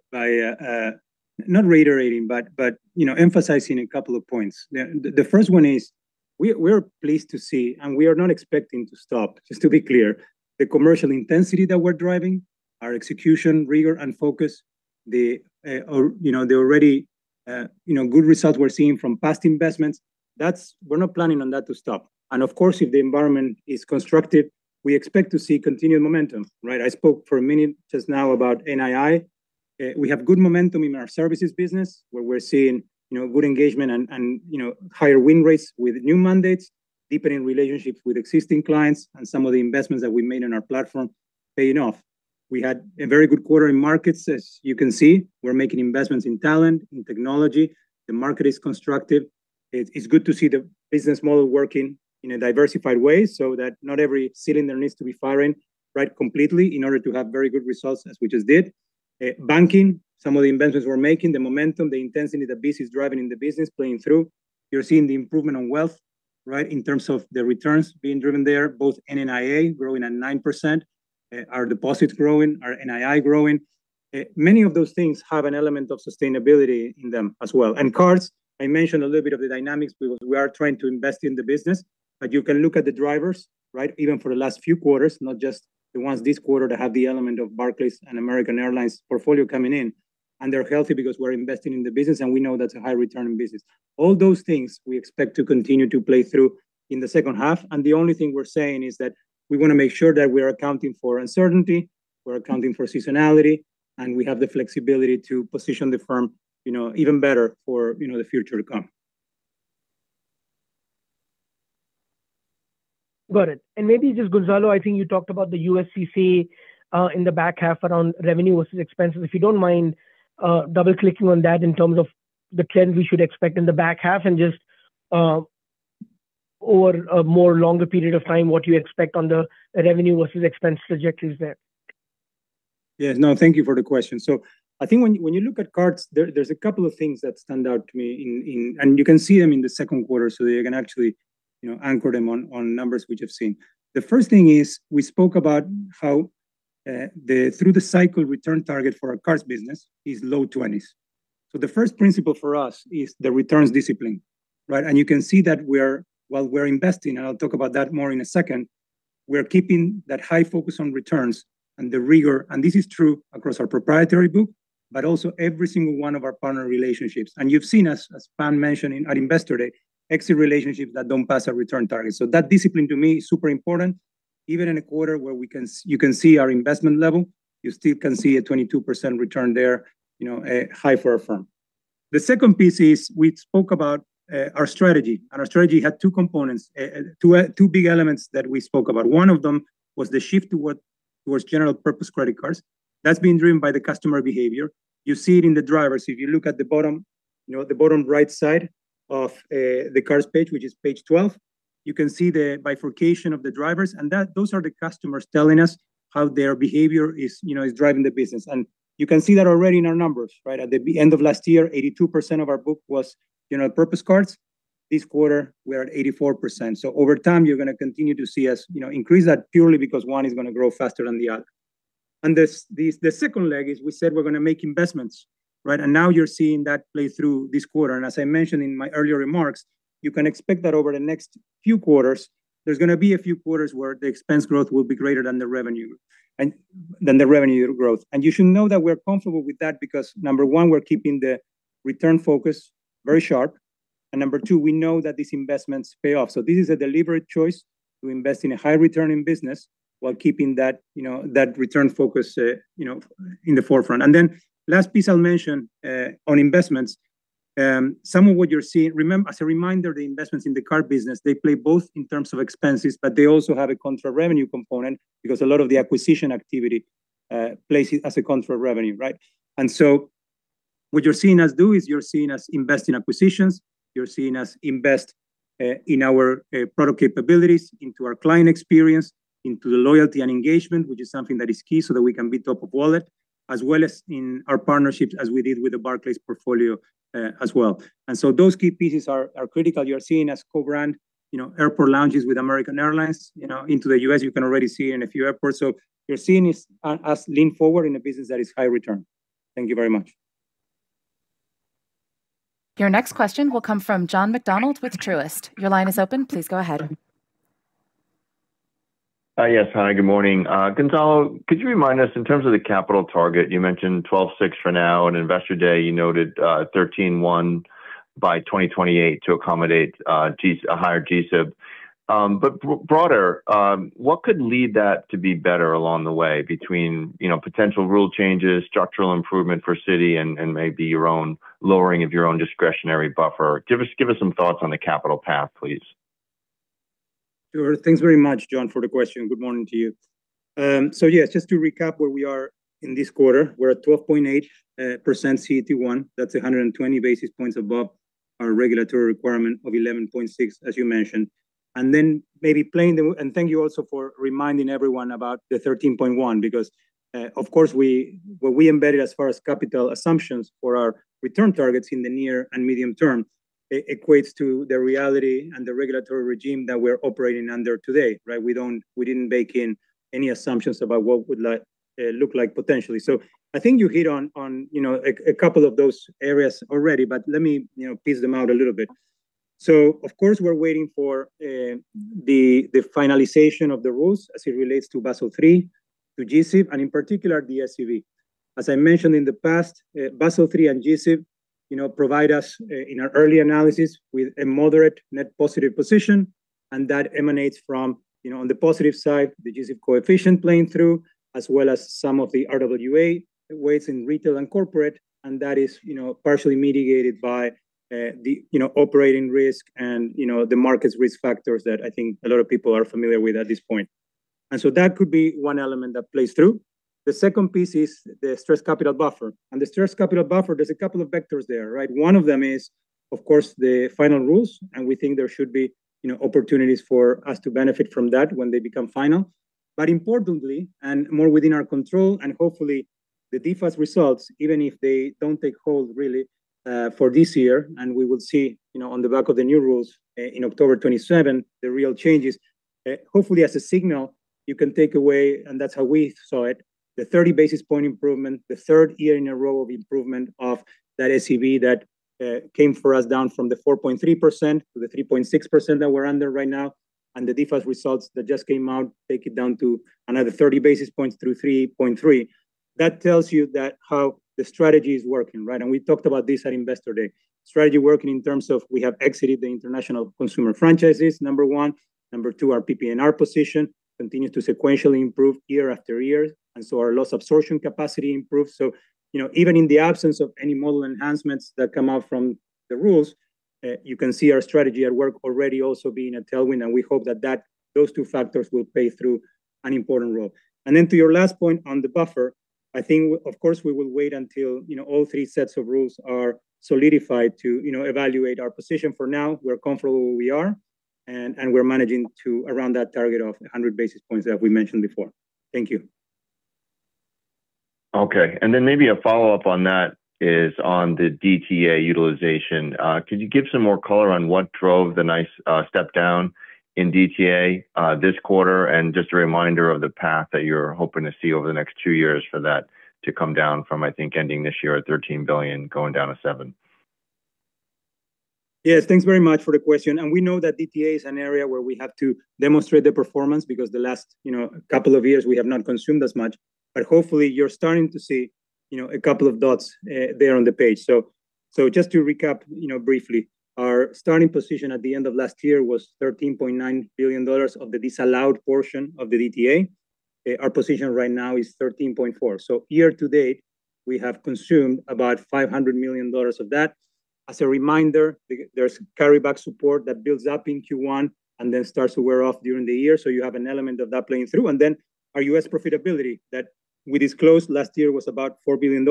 not reiterating, but emphasizing a couple of points. The first one is we're pleased to see, and we are not expecting to stop, just to be clear, the commercial intensity that we're driving, our execution rigor and focus, the already good results we're seeing from past investments. We're not planning on that to stop. Of course, if the environment is constructive, we expect to see continued momentum, right? I spoke for a minute just now about NII. We have good momentum in our Services business where we're seeing good engagement and higher win rates with new mandates, deepening relationships with existing clients, and some of the investments that we made on our platform paying off. We had a very good quarter in Markets. As you can see, we're making investments in talent, in technology. The market is constructive. It's good to see the business model working in a diversified way so that not every cylinder needs to be firing completely in order to have very good results as we just did. Banking, some of the investments we're making, the momentum, the intensity, the business driving in the business playing through. You're seeing the improvement on Wealth, right, in terms of the returns being driven there, both NNIA growing at 9%, our deposits growing, our NII growing. Many of those things have an element of sustainability in them as well. Cards, I mentioned a little bit of the dynamics because we are trying to invest in the business. You can look at the drivers, even for the last few quarters, not just the ones this quarter that have the element of Barclays and American Airlines' portfolio coming in. They're healthy because we're investing in the business, and we know that's a high-returning business. All those things we expect to continue to play through in the second half. The only thing we're saying is that we want to make sure that we are accounting for uncertainty, we're accounting for seasonality, and we have the flexibility to position the firm even better for the future to come. Got it. Maybe just Gonzalo, I think you talked about the USCC in the back half around revenue versus expenses. If you don't mind double-clicking on that in terms of the trend we should expect in the back half, and just over a more longer period of time, what you expect on the revenue versus expense trajectories there. Yes. No, thank you for the question. I think when you look at cards, there's a couple of things that stand out to me, and you can see them in the second quarter, so you can actually anchor them on numbers which you've seen. The first thing is, we spoke about how through the cycle return target for our cards business is low 20s. The first principle for us is the returns discipline. Right? You can see that while we're investing, and I'll talk about that more in a second, we're keeping that high focus on returns and the rigor. This is true across our proprietary book, but also every single one of our partner relationships. You've seen us, as Pam mentioned at Investor Day, exit relationships that don't pass our return target. That discipline to me is super important. Even in a quarter where you can see our investment level, you still can see a 22% return there, high for our firm. The second piece is, we spoke about our strategy. Our strategy had two components, two big elements that we spoke about. One of them was the shift towards general purpose credit cards. That's being driven by the customer behavior. You see it in the drivers. If you look at the bottom right side of the cards page, which is page 12, you can see the bifurcation of the drivers. Those are the customers telling us how their behavior is driving the business. You can see that already in our numbers. At the end of last year, 82% of our book was general purpose cards. This quarter, we are at 84%. Over time, you're going to continue to see us increase that purely because one is going to grow faster than the other. The second leg is we said we're going to make investments. Now you're seeing that play through this quarter. As I mentioned in my earlier remarks, you can expect that over the next few quarters, there's going to be a few quarters where the expense growth will be greater than the revenue growth. You should know that we're comfortable with that because number one, we're keeping the return focus very sharp. Number two, we know that these investments pay off. This is a deliberate choice to invest in a high returning business while keeping that return focus in the forefront. Last piece I'll mention on investments. As a reminder, the investments in the card business, they play both in terms of expenses, they also have a contra revenue component because a lot of the acquisition activity plays as a contra revenue, right? What you're seeing us do is you're seeing us invest in acquisitions. You're seeing us invest in our product capabilities, into our client experience, into the loyalty and engagement, which is something that is key so that we can be top of wallet, as well as in our partnerships as we did with the Barclays portfolio as well. Those key pieces are critical. You are seeing us co-brand airport lounges with American Airlines into the U.S. You can already see in a few airports. You're seeing us lean forward in a business that is high return. Thank you very much. Your next question will come from John McDonald with Truist. Your line is open. Please go ahead. Yes, hi. Good morning. Gonzalo, could you remind us in terms of the capital target, you mentioned 12.6% for now. In Investor Day, you noted 13.1% by 2028 to accommodate a higher G-SIB. Broader, what could lead that to be better along the way between potential rule changes, structural improvement for Citi, and maybe your own lowering of your own discretionary buffer? Give us some thoughts on the capital path, please. Sure. Thanks very much, John, for the question. Good morning to you. Yes, just to recap where we are in this quarter. We're at 12.8% CET1. That's 120 basis points above our regulatory requirement of 11.6%, as you mentioned. Thank you also for reminding everyone about the 13.1%, because of course, what we embedded as far as capital assumptions for our return targets in the near and medium term equates to the reality and the regulatory regime that we're operating under today. We didn't bake in any assumptions about what would look like potentially. I think you hit on a couple of those areas already, but let me piece them out a little bit. Of course, we're waiting for the finalization of the rules as it relates to Basel III, to G-SIB, and in particular, DSPV. As I mentioned in the past, Basel III and G-SIB provide us in our early analysis with a moderate net positive position, and that emanates from, on the positive side, the G-SIB coefficient playing through, as well as some of the RWA weights in retail and corporate, and that is partially mitigated by the operating risk and the market's risk factors that I think a lot of people are familiar with at this point. That could be one element that plays through. The second piece is the stress capital buffer. The stress capital buffer, there's a couple of vectors there. One of them is, of course, the final rules, and we think there should be opportunities for us to benefit from that when they become final. Importantly, more within our control, hopefully the DFAST's results, even if they don't take hold really for this year, and we will see on the back of the new rules in October 2027, the real changes, hopefully as a signal. You can take away, and that's how we saw it, the 30 basis point improvement, the third year in a row of improvement of that SCB that came for us down from the 4.3% to the 3.6% that we're under right now, and the DFAST results that just came out take it down to another 30 basis points through 3.3%. That tells you how the strategy is working, right? We talked about this at Investor Day. Strategy working in terms of we have exited the international consumer franchises, number one. Number two, our PPNR position continued to sequentially improve year after year, our loss absorption capacity improved. Even in the absence of any model enhancements that come out from the rules, you can see our strategy at work already also being a tailwind, we hope that those two factors will play through an important role. To your last point on the buffer, I think, of course, we will wait until all three sets of rules are solidified to evaluate our position. For now, we're comfortable where we are and we're managing to around that target of 100 basis points that we mentioned before. Thank you. Okay, maybe a follow-up on that is on the DTA utilization. Could you give some more color on what drove the nice step down in DTA this quarter? Just a reminder of the path that you're hoping to see over the next two years for that to come down from, I think, ending this year at $13 billion, going down to $7 billion. Yes, thanks very much for the question. We know that DTA is an area where we have to demonstrate the performance because the last couple of years we have not consumed as much. Hopefully you're starting to see a couple of dots there on the page. Just to recap briefly, our starting position at the end of last year was $13.9 billion of the disallowed portion of the DTA. Our position right now is $13.4 billion. Year to date, we have consumed about $500 million of that. As a reminder, there's carryback support that builds up in Q1 and starts to wear off during the year, so you have an element of that playing through. Our U.S. profitability that we disclosed last year was about $4 billion.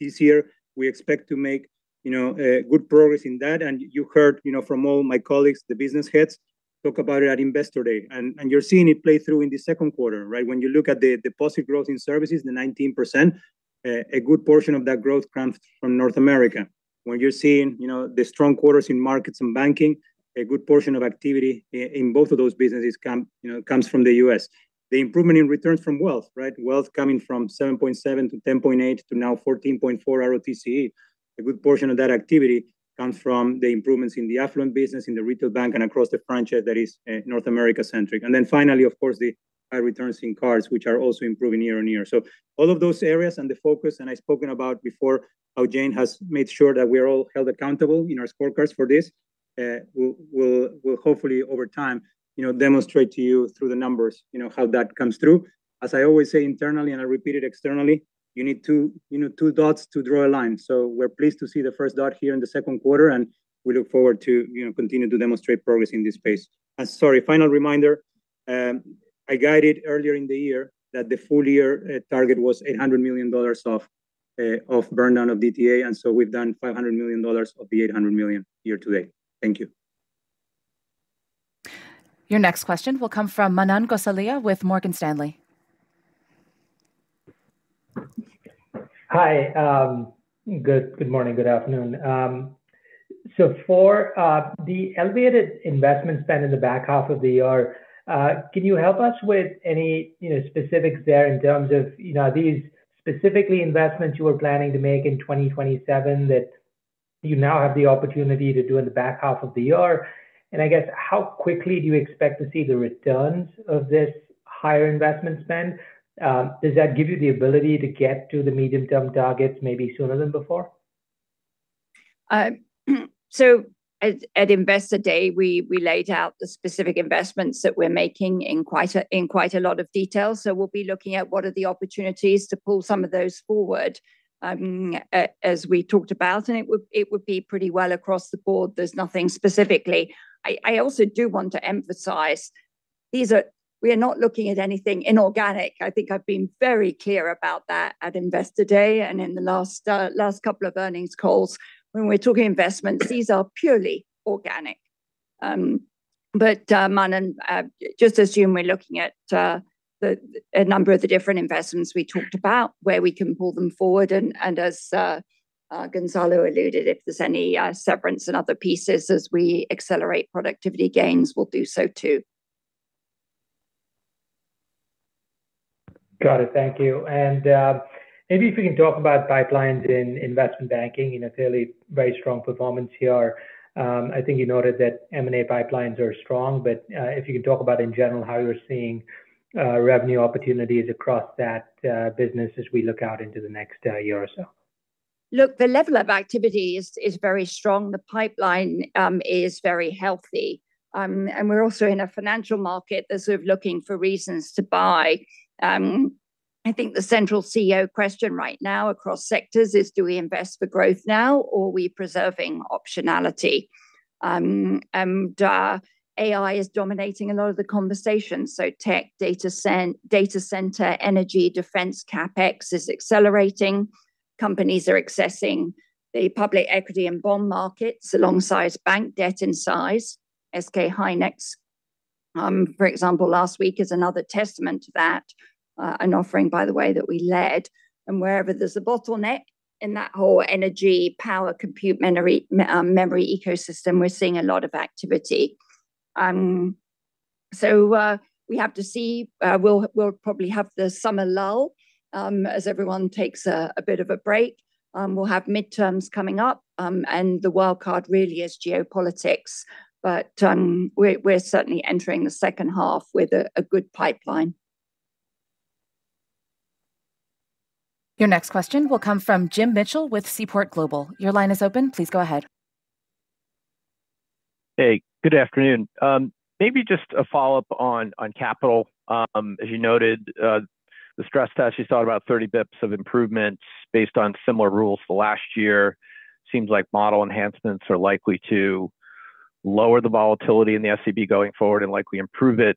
This year we expect to make good progress in that. You heard from all my colleagues, the business heads, talk about it at Investor Day. You're seeing it play through in the second quarter, right? When you look at the deposit growth in services, the 19%, a good portion of that growth comes from North America. When you're seeing the strong quarters in Markets and banking, a good portion of activity in both of those businesses comes from the U.S. The improvement in returns from Wealth, right? Wealth coming from 7.7% to 10.8% to now 14.4% RoTCE. A good portion of that activity comes from the improvements in the affluent business in the retail bank and across the franchise that is North America centric. Finally, of course, the high returns in cards, which are also improving year-on-year. All of those areas and the focus, I've spoken about before how Jane has made sure that we are all held accountable in our scorecards for this, will hopefully over time demonstrate to you through the numbers how that comes through. As I always say internally, I repeat it externally, you need two dots to draw a line. We're pleased to see the first dot here in the second quarter. We look forward to continue to demonstrate progress in this space. Sorry, final reminder, I guided earlier in the year that the full year target was $800 million of burn down of DTA, so we've done $500 million of the $800 million year-to-date. Thank you. Your next question will come from Manan Gosalia with Morgan Stanley. Hi. Good morning, good afternoon. For the elevated investment spend in the back half of the year, can you help us with any specifics there in terms of these specifically investments you were planning to make in 2027 that you now have the opportunity to do in the back half of the year? I guess how quickly do you expect to see the returns of this higher investment spend? Does that give you the ability to get to the medium-term targets maybe sooner than before? At Investor Day, we laid out the specific investments that we're making in quite a lot of detail. We'll be looking at what are the opportunities to pull some of those forward, as we talked about, and it would be pretty well across the board. There's nothing specifically. I also do want to emphasize, we are not looking at anything inorganic. I think I've been very clear about that at Investor Day and in the last couple of earnings calls. When we're talking investments, these are purely organic. Manan, just assume we're looking at a number of the different investments we talked about, where we can pull them forward. As Gonzalo alluded, if there's any severance and other pieces as we accelerate productivity gains, we'll do so too. Got it. Thank you. Maybe if we can talk about pipelines in investment banking, clearly very strong performance here. I think you noted that M&A pipelines are strong. If you can talk about in general how you're seeing revenue opportunities across that business as we look out into the next year or so. Look, the level of activity is very strong. The pipeline is very healthy. We're also in a financial market that's sort of looking for reasons to buy. I think the central CEO question right now across sectors is do we invest for growth now or are we preserving optionality? AI is dominating a lot of the conversations. Tech, data center, energy, defense, CapEx is accelerating. Companies are accessing the public equity and bond Markets alongside bank debt in size. SK hynix, for example, last week is another testament to that. An offering, by the way, that we led. Wherever there's a bottleneck in that whole energy power compute memory ecosystem, we're seeing a lot of activity. We have to see. We'll probably have the summer lull, as everyone takes a bit of a break. We'll have midterms coming up, the wild card really is geopolitics. We're certainly entering the second half with a good pipeline. Your next question will come from Jim Mitchell with Seaport Global. Your line is open. Please go ahead. Hey, good afternoon. Maybe just a follow-up on capital. As you noted, the stress test, you saw about 30 basis points of improvements based on similar rules to last year. Seems like model enhancements are likely to lower the volatility in the SCB going forward and likely improve it.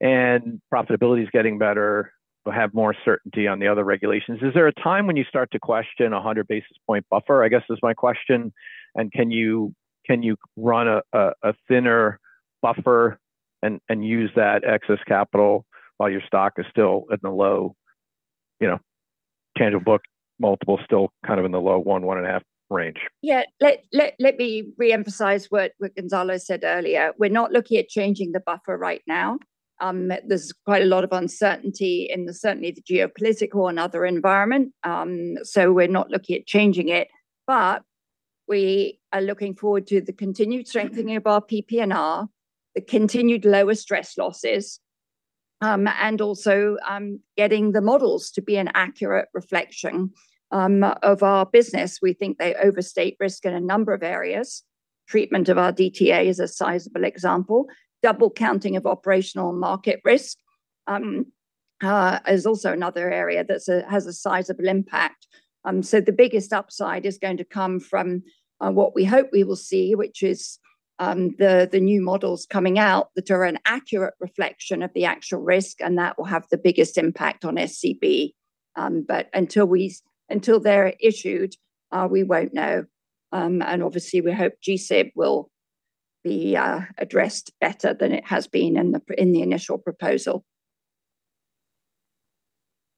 Profitability is getting better. We'll have more certainty on the other regulations. Is there a time when you start to question a 100 basis points buffer, I guess is my question. Can you run a thinner buffer and use that excess capital while your stock is still at the low tangible book multiple, still kind of in the low 1.5x range? Yeah. Let me reemphasize what Gonzalo said earlier. We're not looking at changing the buffer right now. There's quite a lot of uncertainty in certainly the geopolitical and other environment. We're not looking at changing it. We are looking forward to the continued strengthening of our PPNR, the continued lower stress losses, and also getting the models to be an accurate reflection of our business. We think they overstate risk in a number of areas. Treatment of our DTA is a sizable example. Double counting of operational market risk is also another area that has a sizable impact. The biggest upside is going to come from what we hope we will see, which is the new models coming out that are an accurate reflection of the actual risk, and that will have the biggest impact on SCB. Until they're issued, we won't know. Obviously, we hope G-SIB will be addressed better than it has been in the initial proposal.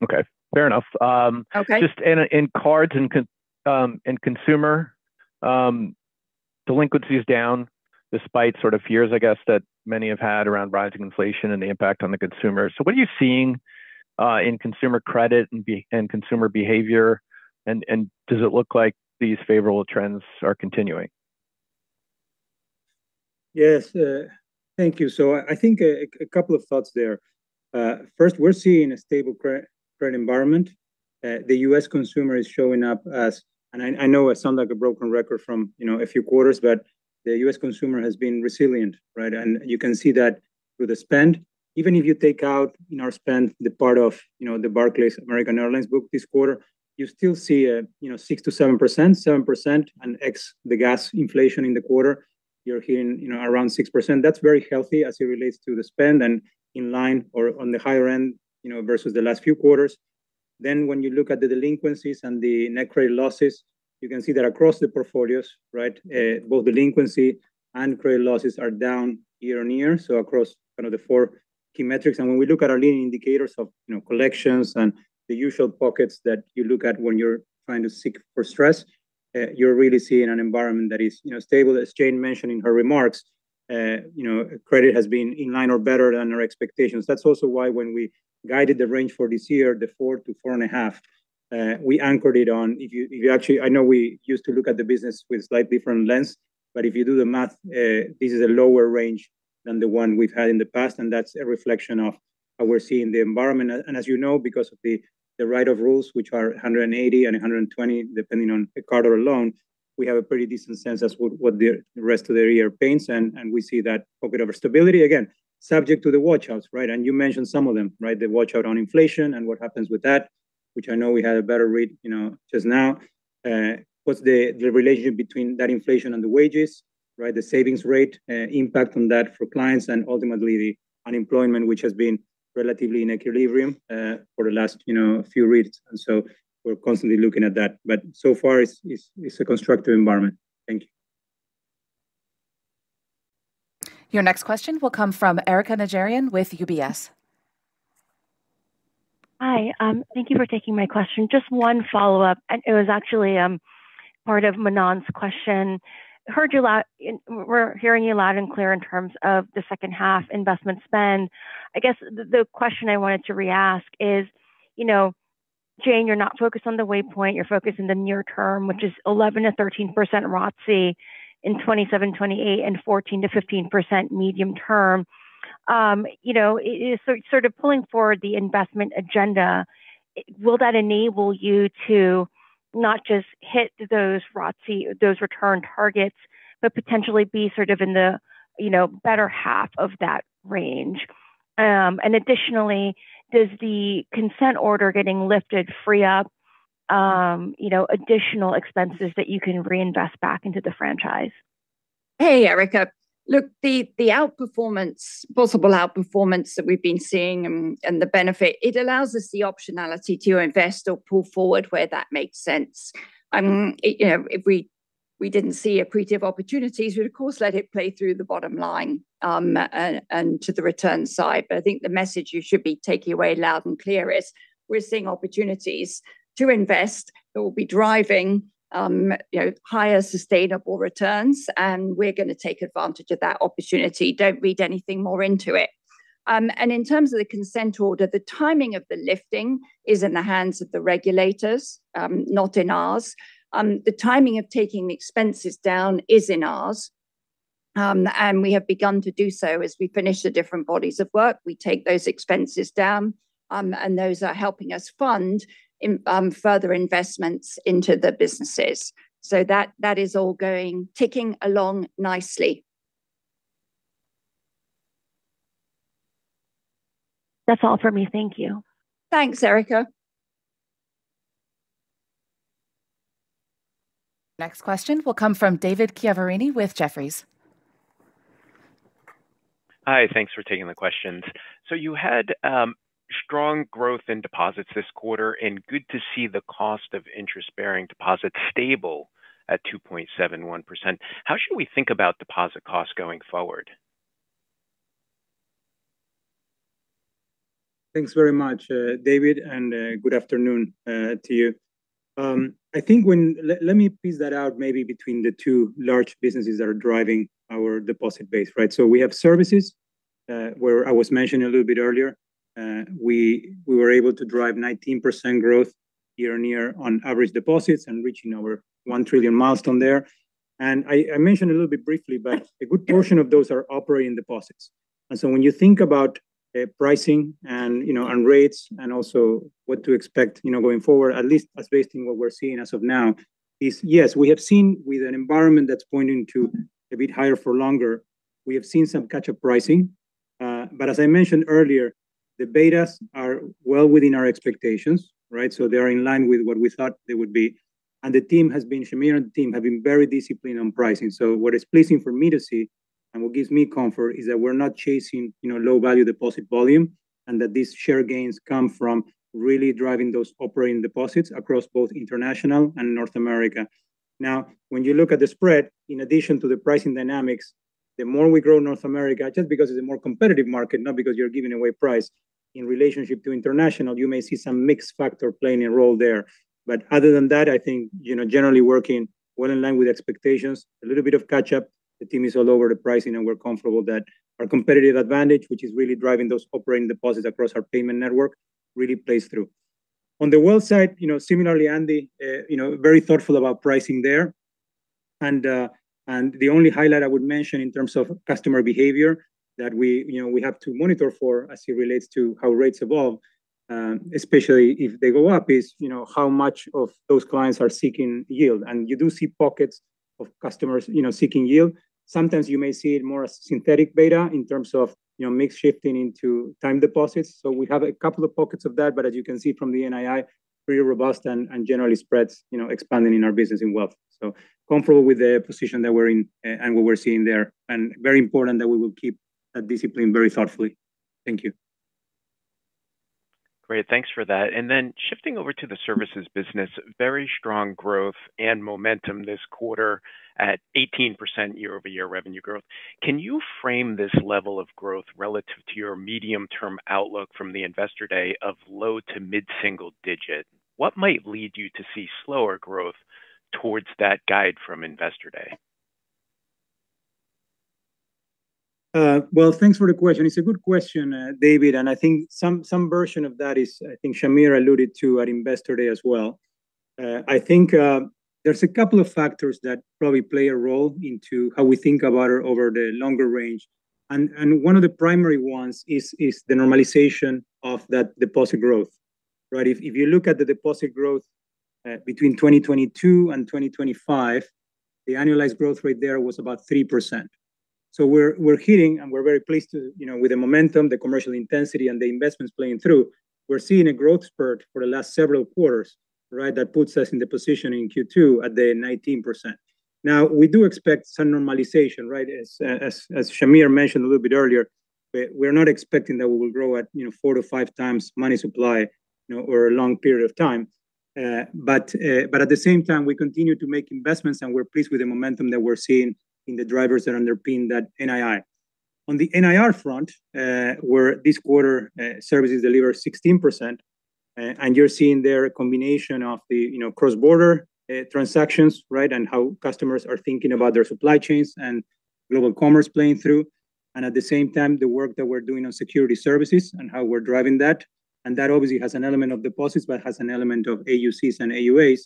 Okay. Fair enough. Okay. Just in cards and consumer, delinquency is down despite sort of fears, I guess, that many have had around rising inflation and the impact on the consumer. What are you seeing in consumer credit and consumer behavior, and does it look like these favorable trends are continuing? Yes. Thank you. I think a couple of thoughts there. First, we're seeing a stable credit environment. The U.S. consumer is showing up as, and I know I sound like a broken record from a few quarters, but the U.S. consumer has been resilient, right? You can see that through the spend. Even if you take out in our spend the part of the Barclays American Airlines book this quarter, you still see a 6%-7%, and ex-gas inflation in the quarter, you're hearing around 6%. That's very healthy as it relates to the spend and in line or on the higher end versus the last few quarters. When you look at the delinquencies and the net credit losses, you can see that across the portfolios, right, both delinquency and credit losses are down year-over-year, so across kind of the four key metrics. When we look at our leading indicators of collections and the usual pockets that you look at when you're trying to seek for stress, you're really seeing an environment that is stable. As Jane mentioned in her remarks, credit has been in line or better than our expectations. That's also why when we guided the range for this year, the 4%-4.5%, we anchored it on, I know we used to look at the business with a slightly different lens, but if you do the math, this is a lower range than the one we've had in the past, and that's a reflection of how we're seeing the environment. As you know, because of the write-off rules, which are 180 and 120, depending on a card or a loan, we have a pretty decent sense as what the rest of the year paints, and we see that pocket of stability. Again, subject to the watch-outs, right? You mentioned some of them, right? The watch-out on inflation and what happens with that, which I know we had a better read just now. What's the relationship between that inflation and the wages, right? The savings rate, impact on that for clients, and ultimately the unemployment, which has been relatively in equilibrium for the last few reads. We're constantly looking at that. So far, it's a constructive environment. Thank you. Your next question will come from Erika Najarian with UBS. Hi. Thank you for taking my question. Just one follow-up, and it was actually part of Manan's question. We're hearing you loud and clear in terms of the second half investment spend. I guess the question I wanted to re-ask is, Jane, you're not focused on the waypoint, you're focused on the near term, which is 11%-13% RoTCE in 2027, 2028, and 14%-15% medium term. Sort of pulling forward the investment agenda, will that enable you to not just hit those return targets, but potentially be sort of in the better half of that range? Additionally, does the consent order getting lifted free up additional expenses that you can reinvest back into the franchise? Hey, Erika. Look, the possible outperformance that we've been seeing and the benefit, it allows us the optionality to invest or pull forward where that makes sense. If we didn't see accretive opportunities. We, of course, let it play through the bottom line and to the return side. I think the message you should be taking away loud and clear is we're seeing opportunities to invest that will be driving higher sustainable returns, and we're going to take advantage of that opportunity. Don't read anything more into it. In terms of the consent order, the timing of the lifting is in the hands of the regulators, not in ours. The timing of taking the expenses down is in ours, and we have begun to do so. As we finish the different bodies of work, we take those expenses down, those are helping us fund further investments into the businesses. That is all ticking along nicely. That's all for me. Thank you. Thanks, Erika. Next question will come from David Chiaverini with Jefferies. Hi. Thanks for taking the questions. You had strong growth in deposits this quarter, and good to see the cost of interest-bearing deposits stable at 2.71%. How should we think about deposit costs going forward? Thanks very much, David, and good afternoon to you. Let me piece that out maybe between the two large businesses that are driving our deposit base. We have Services, where I was mentioning a little bit earlier. We were able to drive 19% growth year-over-year on average deposits and reaching our $1 trillion milestone there. I mentioned a little bit briefly, but a good portion of those are operating deposits. When you think about pricing and rates and also what to expect going forward, at least as based on what we're seeing as of now, is yes, with an environment that's pointing to a bit higher for longer, we have seen some catch-up pricing. As I mentioned earlier, the betas are well within our expectations. They are in line with what we thought they would be. Shahmir and the team have been very disciplined on pricing. What is pleasing for me to see and what gives me comfort is that we're not chasing low-value deposit volume, and that these share gains come from really driving those operating deposits across both international and North America. When you look at the spread, in addition to the pricing dynamics, the more we grow North America, just because it's a more competitive market, not because you're giving away price, in relationship to international, you may see some mix factor playing a role there. Other than that, I think generally working well in line with expectations, a little bit of catch-up. The team is all over the pricing, and we're comfortable that our competitive advantage, which is really driving those operating deposits across our payment network, really plays through. On the Wealth side, similarly, Andy, very thoughtful about pricing there. The only highlight I would mention in terms of customer behavior that we have to monitor for as it relates to how rates evolve, especially if they go up, is how much of those clients are seeking yield. You do see pockets of customers seeking yield. Sometimes you may see it more as synthetic beta in terms of mix shifting into time deposits. We have a couple of pockets of that, but as you can see from the NII, pretty robust and generally spreads expanding in our business in Wealth. Comfortable with the position that we're in and what we're seeing there, and very important that we will keep that discipline very thoughtfully. Thank you. Great. Thanks for that. Shifting over to the Services business, very strong growth and momentum this quarter at 18% year-over-year revenue growth. Can you frame this level of growth relative to your medium-term outlook from the Investor Day of low to mid-single digit? What might lead you to see slower growth towards that guide from Investor Day? Well, thanks for the question. It is a good question, David. I think some version of that Shahmir alluded to at Investor Day as well. There are a couple of factors that probably play a role into how we think about it over the longer range. One of the primary ones is the normalization of that deposit growth. If you look at the deposit growth between 2022 and 2025, the annualized growth rate there was about 3%. We are hitting and we are very pleased to, with the momentum, the commercial intensity, and the investments playing through, we are seeing a growth spurt for the last several quarters. That puts us in the position in Q2 at 19%. We do expect some normalization. As Shahmir mentioned a little bit earlier, we are not expecting that we will grow at 4x-5x money supply over a long period of time. At the same time, we continue to make investments, and we are pleased with the momentum that we are seeing in the drivers that underpin that NII. On the NIR front, where this quarter services delivered 16%, and you are seeing there a combination of the cross-border transactions, and how customers are thinking about their supply chains and global commerce playing through. At the same time, the work that we are doing on security services and how we are driving that, and that obviously has an element of deposits but has an element of AUCs and AUAs.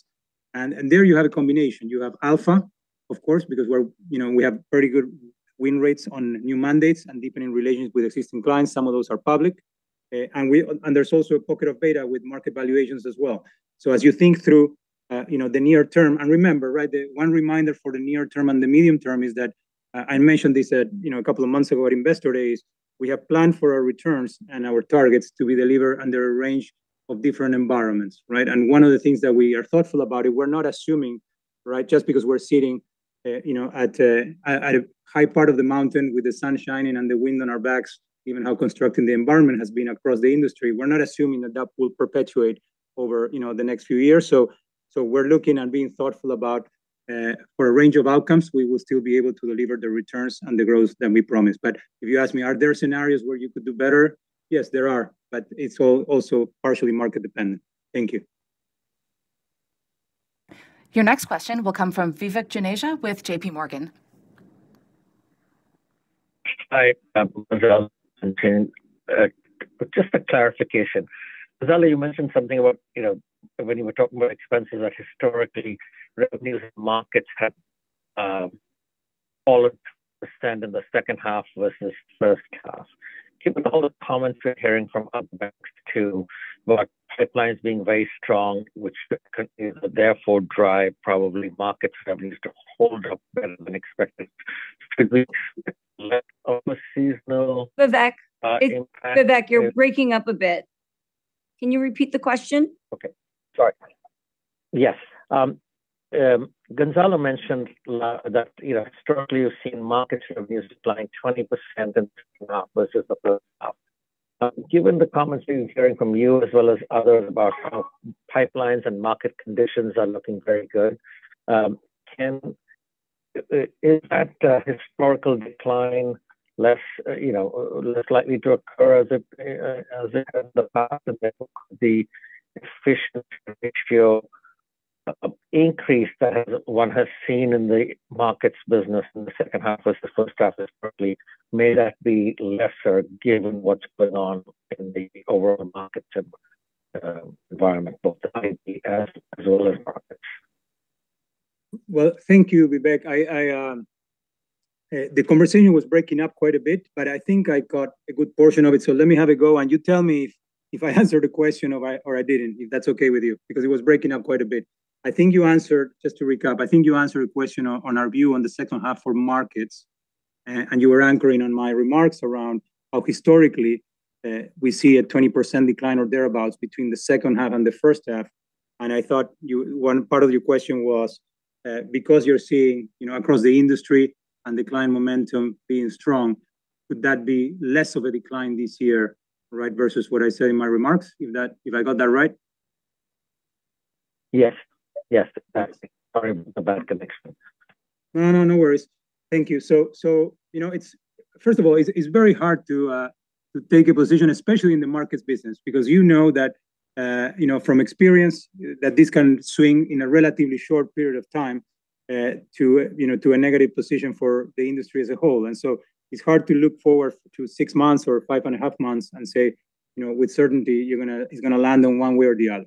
There you have a combination. You have alpha, of course, because we have very good win rates on new mandates and deepening relations with existing clients. Some of those are public. There is also a pocket of beta with market valuations as well. As you think through the near term, and remember, the one reminder for the near term and the medium term is that I mentioned this a couple of months ago at Investor Day, is we have planned for our returns and our targets to be delivered under a range of different environments. One of the things that we are thoughtful about it, we are not assuming just because we are sitting at a high part of the mountain with the sun shining and the wind on our backs, even how constructive the environment has been across the industry. We are not assuming that that will perpetuate over the next few years. We are looking and being thoughtful about for a range of outcomes, we will still be able to deliver the returns and the growth that we promised. If you ask me, are there scenarios where you could do better? Yes, there are, but it is also partially market dependent. Thank you. Your next question will come from Vivek Juneja with JPMorgan. Hi, Gonzalo and Jane. Just a clarification. Gonzalo, you mentioned something about when you were talking about expenses, like historically, revenues Markets have fallen stand in the second half versus first half. Given all the comments we're hearing from other banks too, about pipelines being very strong, which could therefore drive probably market revenues to hold up better than expected. Could we see less of a seasonal- Vivek- Impact this- Vivek, you're breaking up a bit. Can you repeat the question? Okay. Sorry. Yes. Gonzalo mentioned that historically you've seen market revenues decline 20% in second half versus the first half. Given the comments we're hearing from you as well as others about how pipelines and market conditions are looking very good, is that historical decline less likely to occur as it has in the past? And then the efficiency ratio increase that one has seen in the Markets business in the second half versus first half historically, may that be lesser given what's going on in the overall market environment, both IB as well as Markets? Well, thank you, Vivek. The conversation was breaking up quite a bit, but I think I got a good portion of it. Let me have a go, and you tell me if I answered the question or I didn't, if that's okay with you, because it was breaking up quite a bit. Just to recap, I think you answered a question on our view on the second half for Markets, and you were anchoring on my remarks around how historically, we see a 20% decline or thereabouts between the second half and the first half. I thought one part of your question was, because you're seeing, across the industry and decline momentum being strong, could that be less of a decline this year, right, versus what I said in my remarks? If I got that right? Yes. Perfect. Sorry about the bad connection. No, no worries. Thank you. First of all, it's very hard to take a position, especially in the Markets business, because you know that, from experience, that this can swing in a relatively short period of time to a negative position for the industry as a whole. It's hard to look forward to six months or five and a half months and say, with certainty it's going to land on one way or the other.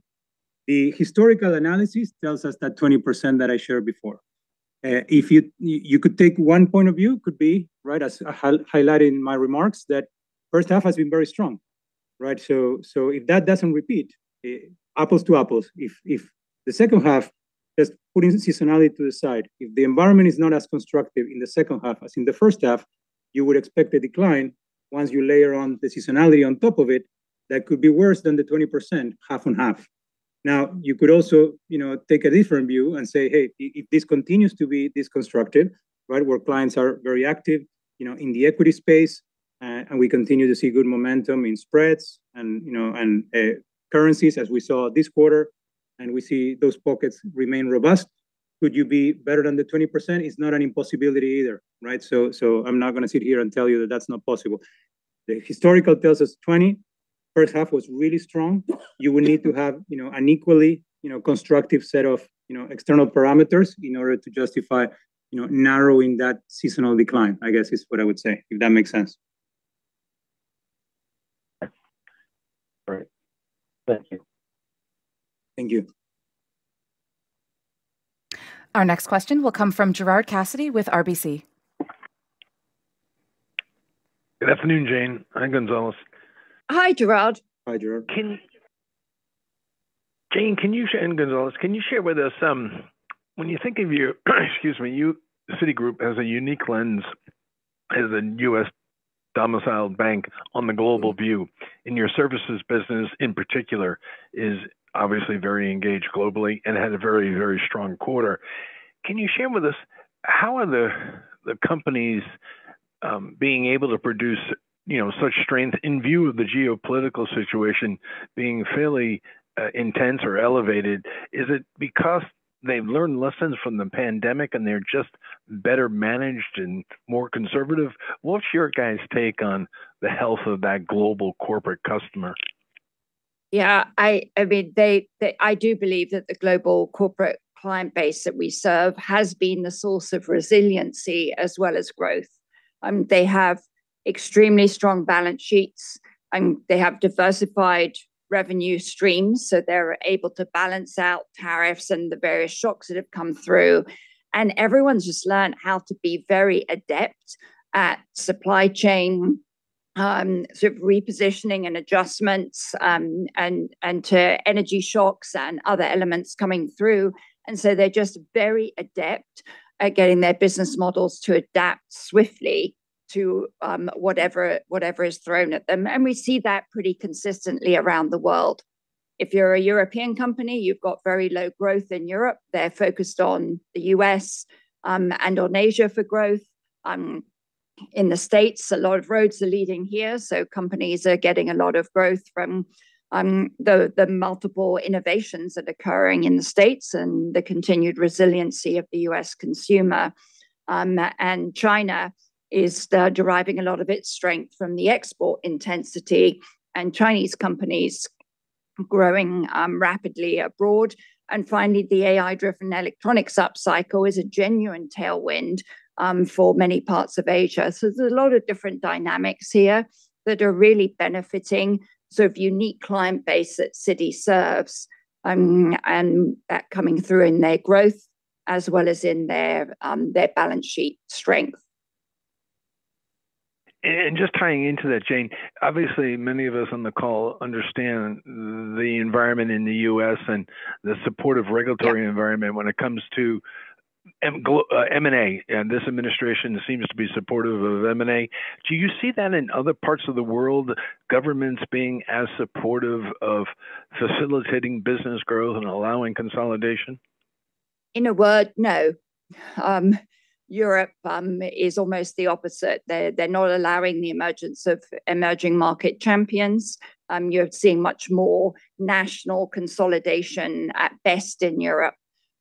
The historical analysis tells us that 20% that I shared before. You could take one point of view, could be, right, as highlighted in my remarks, that first half has been very strong. Right? If that doesn't repeat, apples to apples, if the second half, just putting seasonality to the side, if the environment is not as constructive in the second half as in the first half, you would expect a decline once you layer on the seasonality on top of it, that could be worse than the 20%, half on half. You could also take a different view and say, Hey, if this continues to be this constructive, right, where clients are very active in the equity space, and we continue to see good momentum in spreads and currencies as we saw this quarter, and we see those pockets remain robust, could you be better than the 20%? It's not an impossibility either, right? I'm not going to sit here and tell you that that's not possible. The historical tells us 20%, first half was really strong. You will need to have an equally constructive set of external parameters in order to justify narrowing that seasonal decline, I guess is what I would say, if that makes sense. Right. Thank you. Thank you. Our next question will come from Gerard Cassidy with RBC. Good afternoon, Jane. Hi, Gonzalo. Hi, Gerard. Hi, Gerard. Jane and Gonzalo, can you share with us, when you think of Citigroup as a unique lens, as a U.S.-domiciled bank on the global view, and your services business in particular is obviously very engaged globally and had a very, very strong quarter. Can you share with us, how are the companies being able to produce such strength in view of the geopolitical situation being fairly intense or elevated? Is it because they've learned lessons from the pandemic, and they're just better managed and more conservative? What's your guys' take on the health of that global corporate customer? Yeah. I do believe that the global corporate client base that we serve has been the source of resiliency as well as growth. They have extremely strong balance sheets. They have diversified revenue streams, so they're able to balance out tariffs and the various shocks that have come through. Everyone's just learned how to be very adept at supply chain sort of repositioning and adjustments, and to energy shocks and other elements coming through. They're just very adept at getting their business models to adapt swiftly to whatever is thrown at them. We see that pretty consistently around the world. If you're a European company, you've got very low growth in Europe. They're focused on the U.S., and on Asia for growth. In the States, a lot of roads are leading here, so companies are getting a lot of growth from the multiple innovations that are occurring in the States and the continued resiliency of the U.S. consumer. China is deriving a lot of its strength from the export intensity and Chinese companies growing rapidly abroad. Finally, the AI-driven electronics upcycle is a genuine tailwind for many parts of Asia. There's a lot of different dynamics here that are really benefiting. The unique client base that Citi serves, and that coming through in their growth as well as in their balance sheet strength. Just tying into that, Jane, obviously many of us on the call understand the environment in the U.S. and the supportive regulatory environment when it comes to M&A. This administration seems to be supportive of M&A. Do you see that in other parts of the world, governments being as supportive of facilitating business growth and allowing consolidation? In a word, no. Europe is almost the opposite. They're not allowing the emergence of emerging market champions. You're seeing much more national consolidation at best in Europe,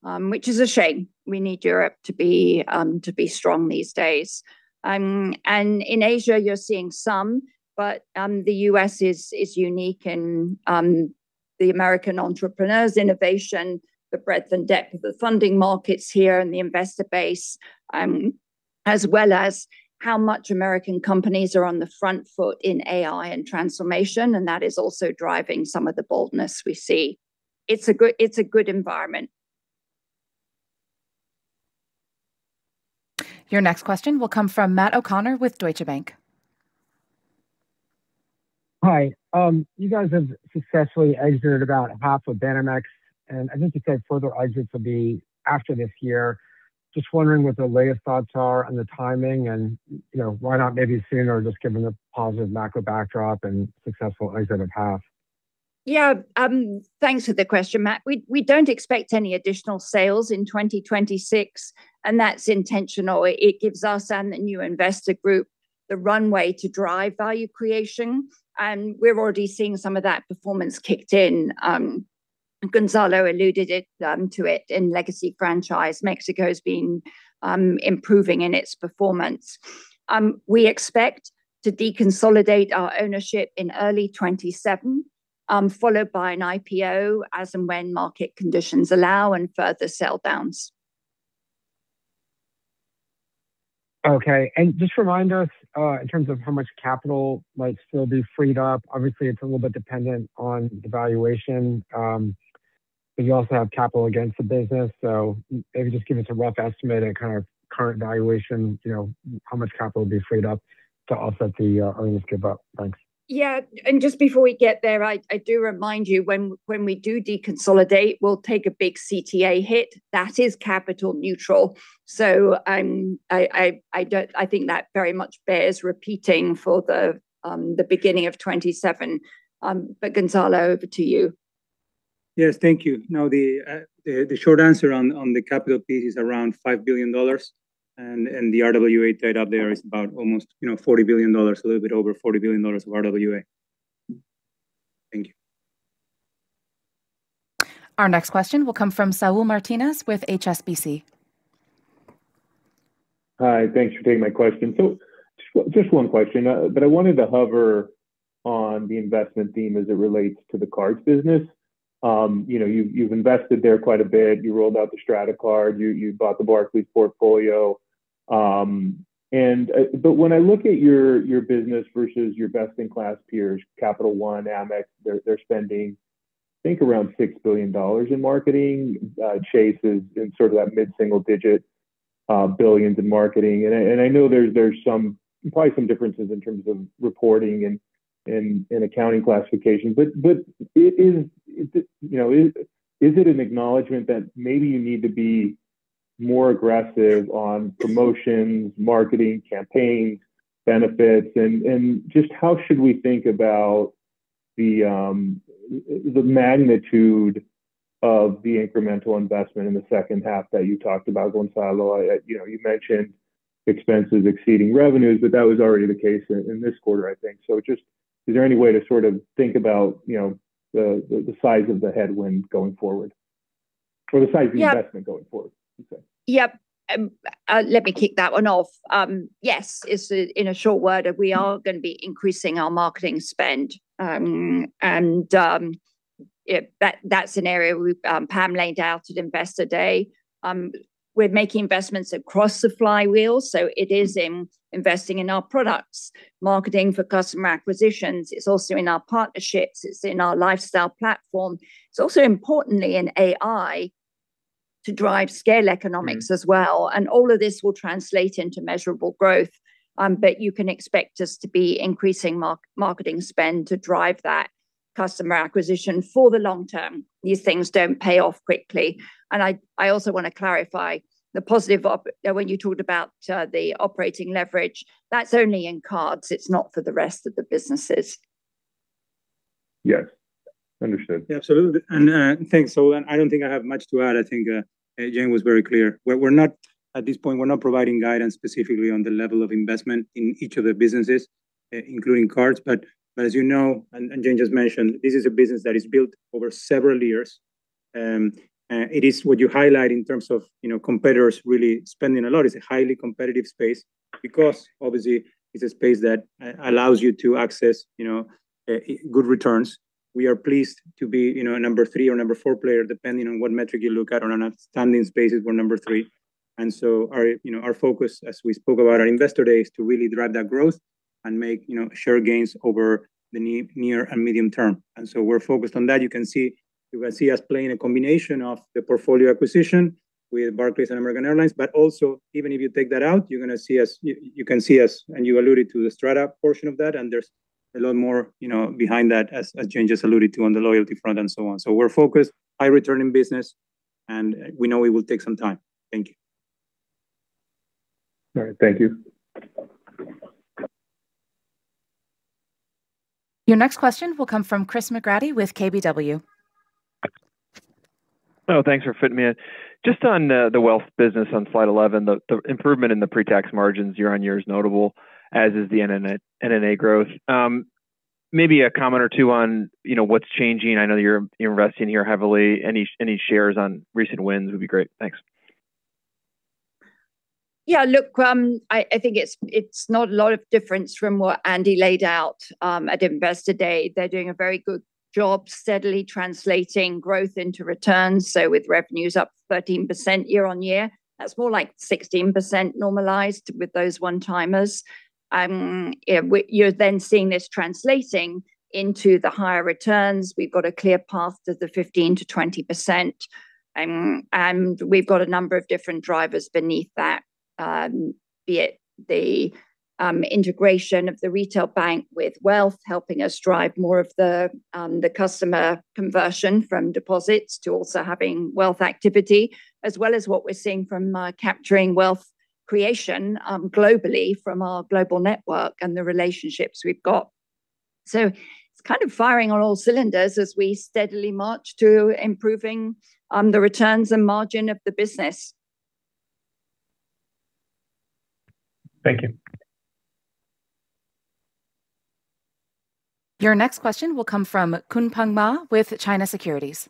which is a shame. We need Europe to be strong these days. In Asia, you're seeing some, but the U.S. is unique in the American entrepreneurs innovation, the breadth and depth of the funding markets here and the investor base, as well as how much American companies are on the front foot in AI and transformation, and that is also driving some of the boldness we see. It's a good environment. Your next question will come from Matt O'Connor with Deutsche Bank. Hi. You guys have successfully exited about half of Banamex, and I think you said further exits will be after this year. Just wondering what the latest thoughts are on the timing and why not maybe sooner, just given the positive macro backdrop and successful exit of half. Yeah. Thanks for the question, Matt. We don't expect any additional sales in 2026, and that's intentional. It gives us and the new investor group the runway to drive value creation, and we're already seeing some of that performance kicked in. Gonzalo alluded to it in legacy franchise. Mexico's been improving in its performance. We expect to deconsolidate our ownership in early 2027, followed by an IPO as and when market conditions allow and further sell downs. Okay. Just remind us, in terms of how much capital might still be freed up. Obviously, it's a little bit dependent on the valuation. You also have capital against the business, maybe just give us a rough estimate at kind of current valuation, how much capital will be freed up to offset the earnings give up. Thanks. Yeah. Just before we get there, I do remind you when we do deconsolidate, we'll take a big CTA hit. That is capital neutral. I think that very much bears repeating for the beginning of 2027. Gonzalo, over to you. Yes. Thank you. The short answer on the capital piece is around $5 billion and the RWA tied up there is about almost $40 billion, a little bit over $40 billion of RWA. Thank you. Our next question will come from Saul Martinez with HSBC. Hi. Thanks for taking my question. Just one question, but I wanted to hover on the investment theme as it relates to the cards business. You've invested there quite a bit. You rolled out the Strata Card. You bought the Barclays portfolio. When I look at your business versus your best-in-class peers, Capital One, Amex, they're spending I think around $6 billion in marketing. Chase is in sort of that mid-single digit billions in marketing. I know there's probably some differences in terms of reporting and accounting classification. Is it an acknowledgement that maybe you need to be more aggressive on promotions, marketing campaigns, benefits? Just how should we think about the magnitude of the incremental investment in the second half that you talked about, Gonzalo? You mentioned expenses exceeding revenues, but that was already the case in this quarter, I think. Just is there any way to sort of think about the size of the headwind going forward, or the size of the investment going forward, you said? Yep. Let me kick that one off. Yes, is in a short word, we are going to be increasing our marketing spend. That scenario Pam laid out at Investor Day. We're making investments across the flywheel, so it is investing in our products, marketing for customer acquisitions. It's also in our partnerships. It's in our lifestyle platform. It's also importantly in AI to drive scale economics as well. All of this will translate into measurable growth. You can expect us to be increasing marketing spend to drive that customer acquisition for the long term. These things don't pay off quickly. I also want to clarify the positive op, when you talked about the operating leverage. That's only in cards. It's not for the rest of the businesses. Yes. Understood. Yeah, absolutely. Thanks, Saul. I don't think I have much to add. I think Jane was very clear. At this point, we're not providing guidance specifically on the level of investment in each of the businesses, including cards. As you know, and Jane just mentioned, this is a business that is built over several years. It is what you highlight in terms of competitors really spending a lot. It's a highly competitive space because obviously it's a space that allows you to access good returns. We are pleased to be number three or number four player, depending on what metric you look at, on an outstanding basis we're number three. Our focus, as we spoke about at Investor Day, is to really drive that growth and make share gains over the near and medium term. We're focused on that. You can see us playing a combination of the portfolio acquisition with Barclays and American Airlines, but also, even if you take that out, you can see us, and you alluded to the Strata portion of that, and there's a lot more behind that, as Jane just alluded to, on the loyalty front and so on. We're focused, high return in business, and we know it will take some time. Thank you. All right. Thank you. Your next question will come from Chris McGratty with KBW. Oh, thanks for fitting me in. Just on the Wealth business on slide 11, the improvement in the pre-tax margins year-over-year is notable, as is the NNA growth. Maybe a comment or two on what's changing. I know that you're investing here heavily. Any shares on recent wins would be great. Thanks. Yeah, look, I think it's not a lot of difference from what Andy laid out at Investor Day. They're doing a very good job steadily translating growth into returns. With revenues up 13% year-on-year, that's more like 16% normalized with those one-timers. You're seeing this translating into the higher returns. We've got a clear path to the 15%-20%. We've got a number of different drivers beneath that, be it the integration of the retail bank with Wealth, helping us drive more of the customer conversion from deposits to also having Wealth activity, as well as what we're seeing from capturing Wealth creation globally from our global network and the relationships we've got. It's kind of firing on all cylinders as we steadily march to improving the returns and margin of the business. Thank you. Your next question will come from Kunpeng Ma with China Securities.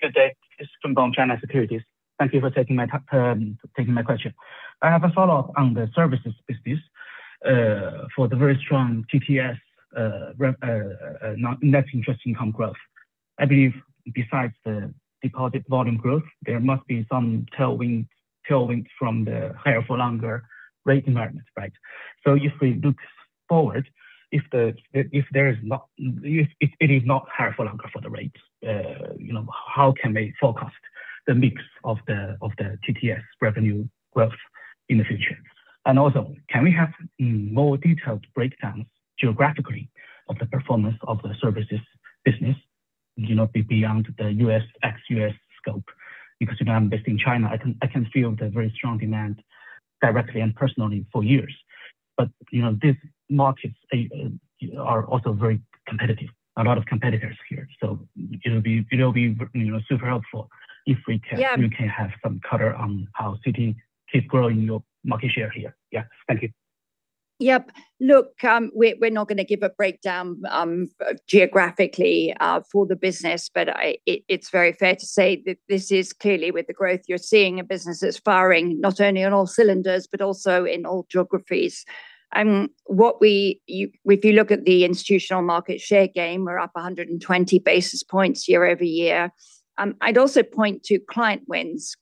Good day. This is Kunpeng, China Securities. Thank you for taking my question. I have a follow-up on the services business for the very strong TTS net interest income growth. I believe besides the deposit volume growth, there must be some tailwind from the higher for longer rate environment, right? If we look forward, if it is not higher for longer for the rates, how can they forecast the mix of the TTS revenue growth in the future? Can we have more detailed breakdowns geographically of the performance of the Services business, beyond the ex-U.S. scope? Because I'm based in China, I can feel the very strong demand directly and personally for years. These markets are also very competitive. A lot of competitors here. It'll be super helpful if we can Yeah. Have some color on how Citi is growing your market share here. Yeah. Thank you. Yep. Look, we're not going to give a breakdown geographically for the business, but it's very fair to say that this is clearly with the growth you're seeing, a business that's firing not only on all cylinders, but also in all geographies. If you look at the institutional market share gain, we're up 120 basis points year-over-year. I'd also point to client wins.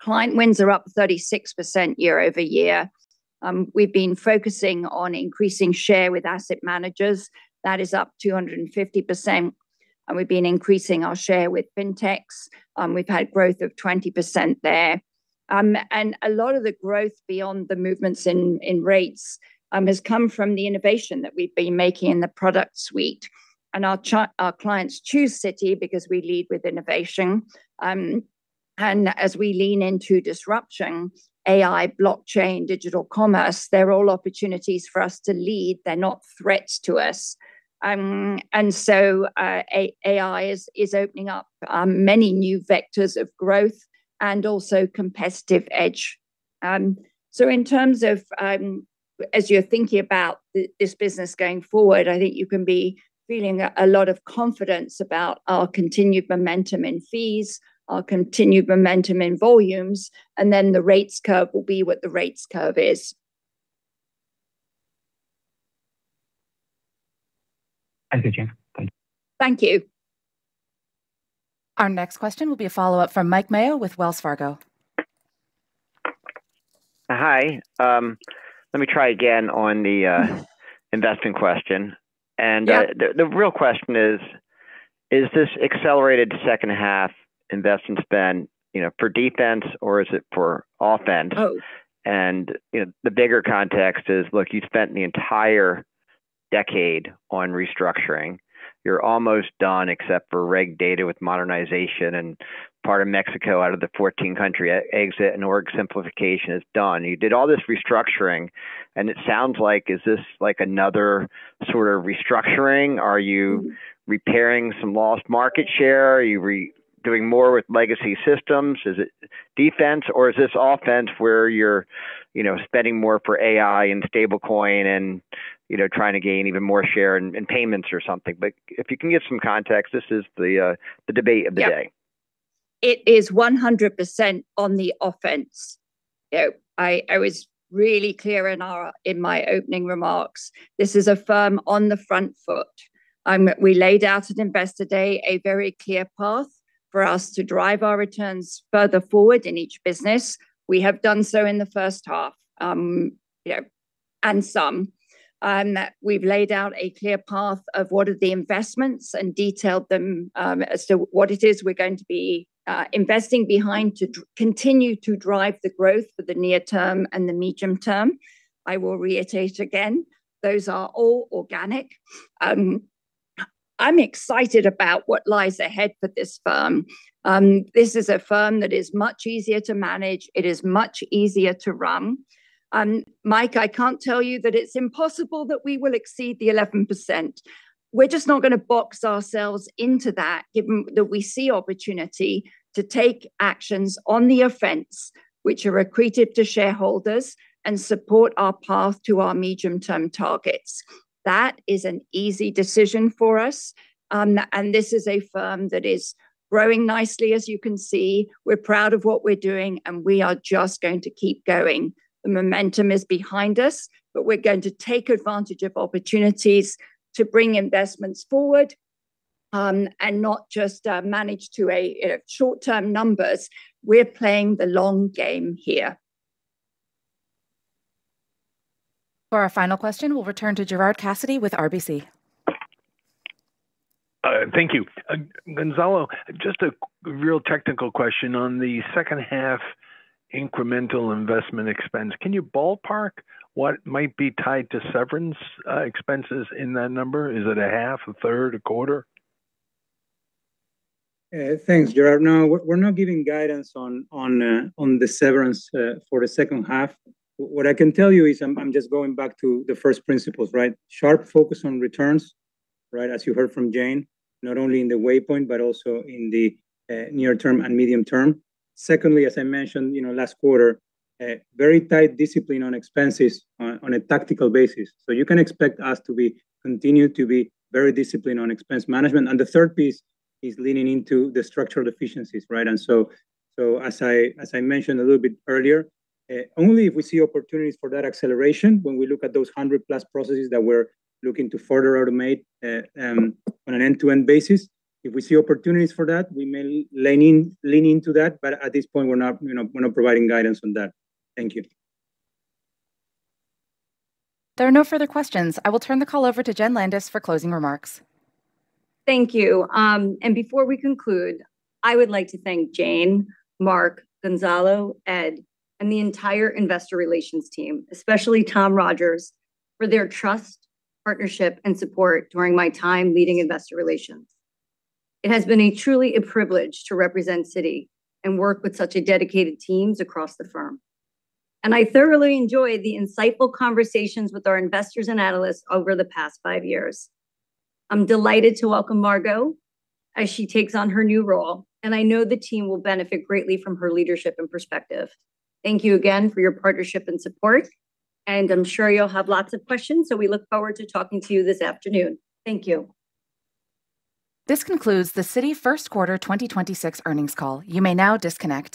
Client wins are up 36% year-over-year. We've been focusing on increasing share with asset managers. That is up 250%, and we've been increasing our share with fintechs. We've had growth of 20% there. A lot of the growth beyond the movements in rates has come from the innovation that we've been making in the product suite. Our clients choose Citi because we lead with innovation. As we lean into disruption, AI, blockchain, digital commerce, they're all opportunities for us to lead. They're not threats to us. AI is opening up many new vectors of growth and also competitive edge. In terms of as you're thinking about this business going forward, I think you can be feeling a lot of confidence about our continued momentum in fees, our continued momentum in volumes, the rates curve will be what the rates curve is. That's it, Jane. Thank you. Thank you. Our next question will be a follow-up from Mike Mayo with Wells Fargo. Hi. Let me try again on the investing question. Yeah. The real question is this accelerated second half investment spend for defense or is it for offense? Both. The bigger context is, look, you spent the entire decade on restructuring. You're almost done, except for reg data with modernization and part of Mexico out of the 14 country exit and org simplification is done. You did all this restructuring, and it sounds like, is this another sort of restructuring? Are you repairing some lost market share? Are you doing more with legacy systems? Is it defense or is this offense where you're spending more for AI and stablecoin and trying to gain even more share in payments or something? If you can give some context, this is the debate of the day. It is 100% on the offense. I was really clear in my opening remarks. This is a firm on the front foot. We laid out at Investor Day a very clear path for us to drive our returns further forward in each business. We have done so in the first half, and some. We've laid out a clear path of what are the investments and detailed them as to what it is we're going to be investing behind to continue to drive the growth for the near term and the medium term. I will reiterate again, those are all organic. I'm excited about what lies ahead for this firm. This is a firm that is much easier to manage. It is much easier to run. Mike, I can't tell you that it's impossible that we will exceed the 11%. We're just not going to box ourselves into that given that we see opportunity to take actions on the offense, which are accretive to shareholders and support our path to our medium-term targets. That is an easy decision for us. This is a firm that is growing nicely, as you can see. We're proud of what we're doing, and we are just going to keep going. The momentum is behind us, but we're going to take advantage of opportunities to bring investments forward, and not just manage to short-term numbers. We're playing the long game here. For our final question, we'll return to Gerard Cassidy with RBC. Thank you. Gonzalo, just a real technical question. On the second half incremental investment expense, can you ballpark what might be tied to severance expenses in that number? Is it a half, a third, a quarter? Thanks, Gerard. No, we're not giving guidance on the severance for the second half. What I can tell you is, I'm just going back to the first principles, right? Sharp focus on returns, as you heard from Jane, not only in the waypoint but also in the near term and medium term. Secondly, as I mentioned last quarter, very tight discipline on expenses on a tactical basis. You can expect us to continue to be very disciplined on expense management. The third piece is leaning into the structural efficiencies. As I mentioned a little bit earlier, only if we see opportunities for that acceleration, when we look at those 100+ processes that we're looking to further automate on an end-to-end basis. If we see opportunities for that, we may lean into that. At this point, we're not providing guidance on that. Thank you. There are no further questions. I will turn the call over to Jenn Landis for closing remarks. Thank you. Before we conclude, I would like to thank Jane, Mark, Gonzalo, Ed, and the entire investor relations team, especially Tom Rogers, for their trust, partnership, and support during my time leading investor relations. It has been truly a privilege to represent Citi and work with such dedicated teams across the firm. I thoroughly enjoyed the insightful conversations with our investors and analysts over the past five years. I'm delighted to welcome Margo as she takes on her new role, and I know the team will benefit greatly from her leadership and perspective. Thank you again for your partnership and support, and I'm sure you'll have lots of questions, so we look forward to talking to you this afternoon. Thank you. This concludes the Citi first quarter 2026 earnings call. You may now disconnect.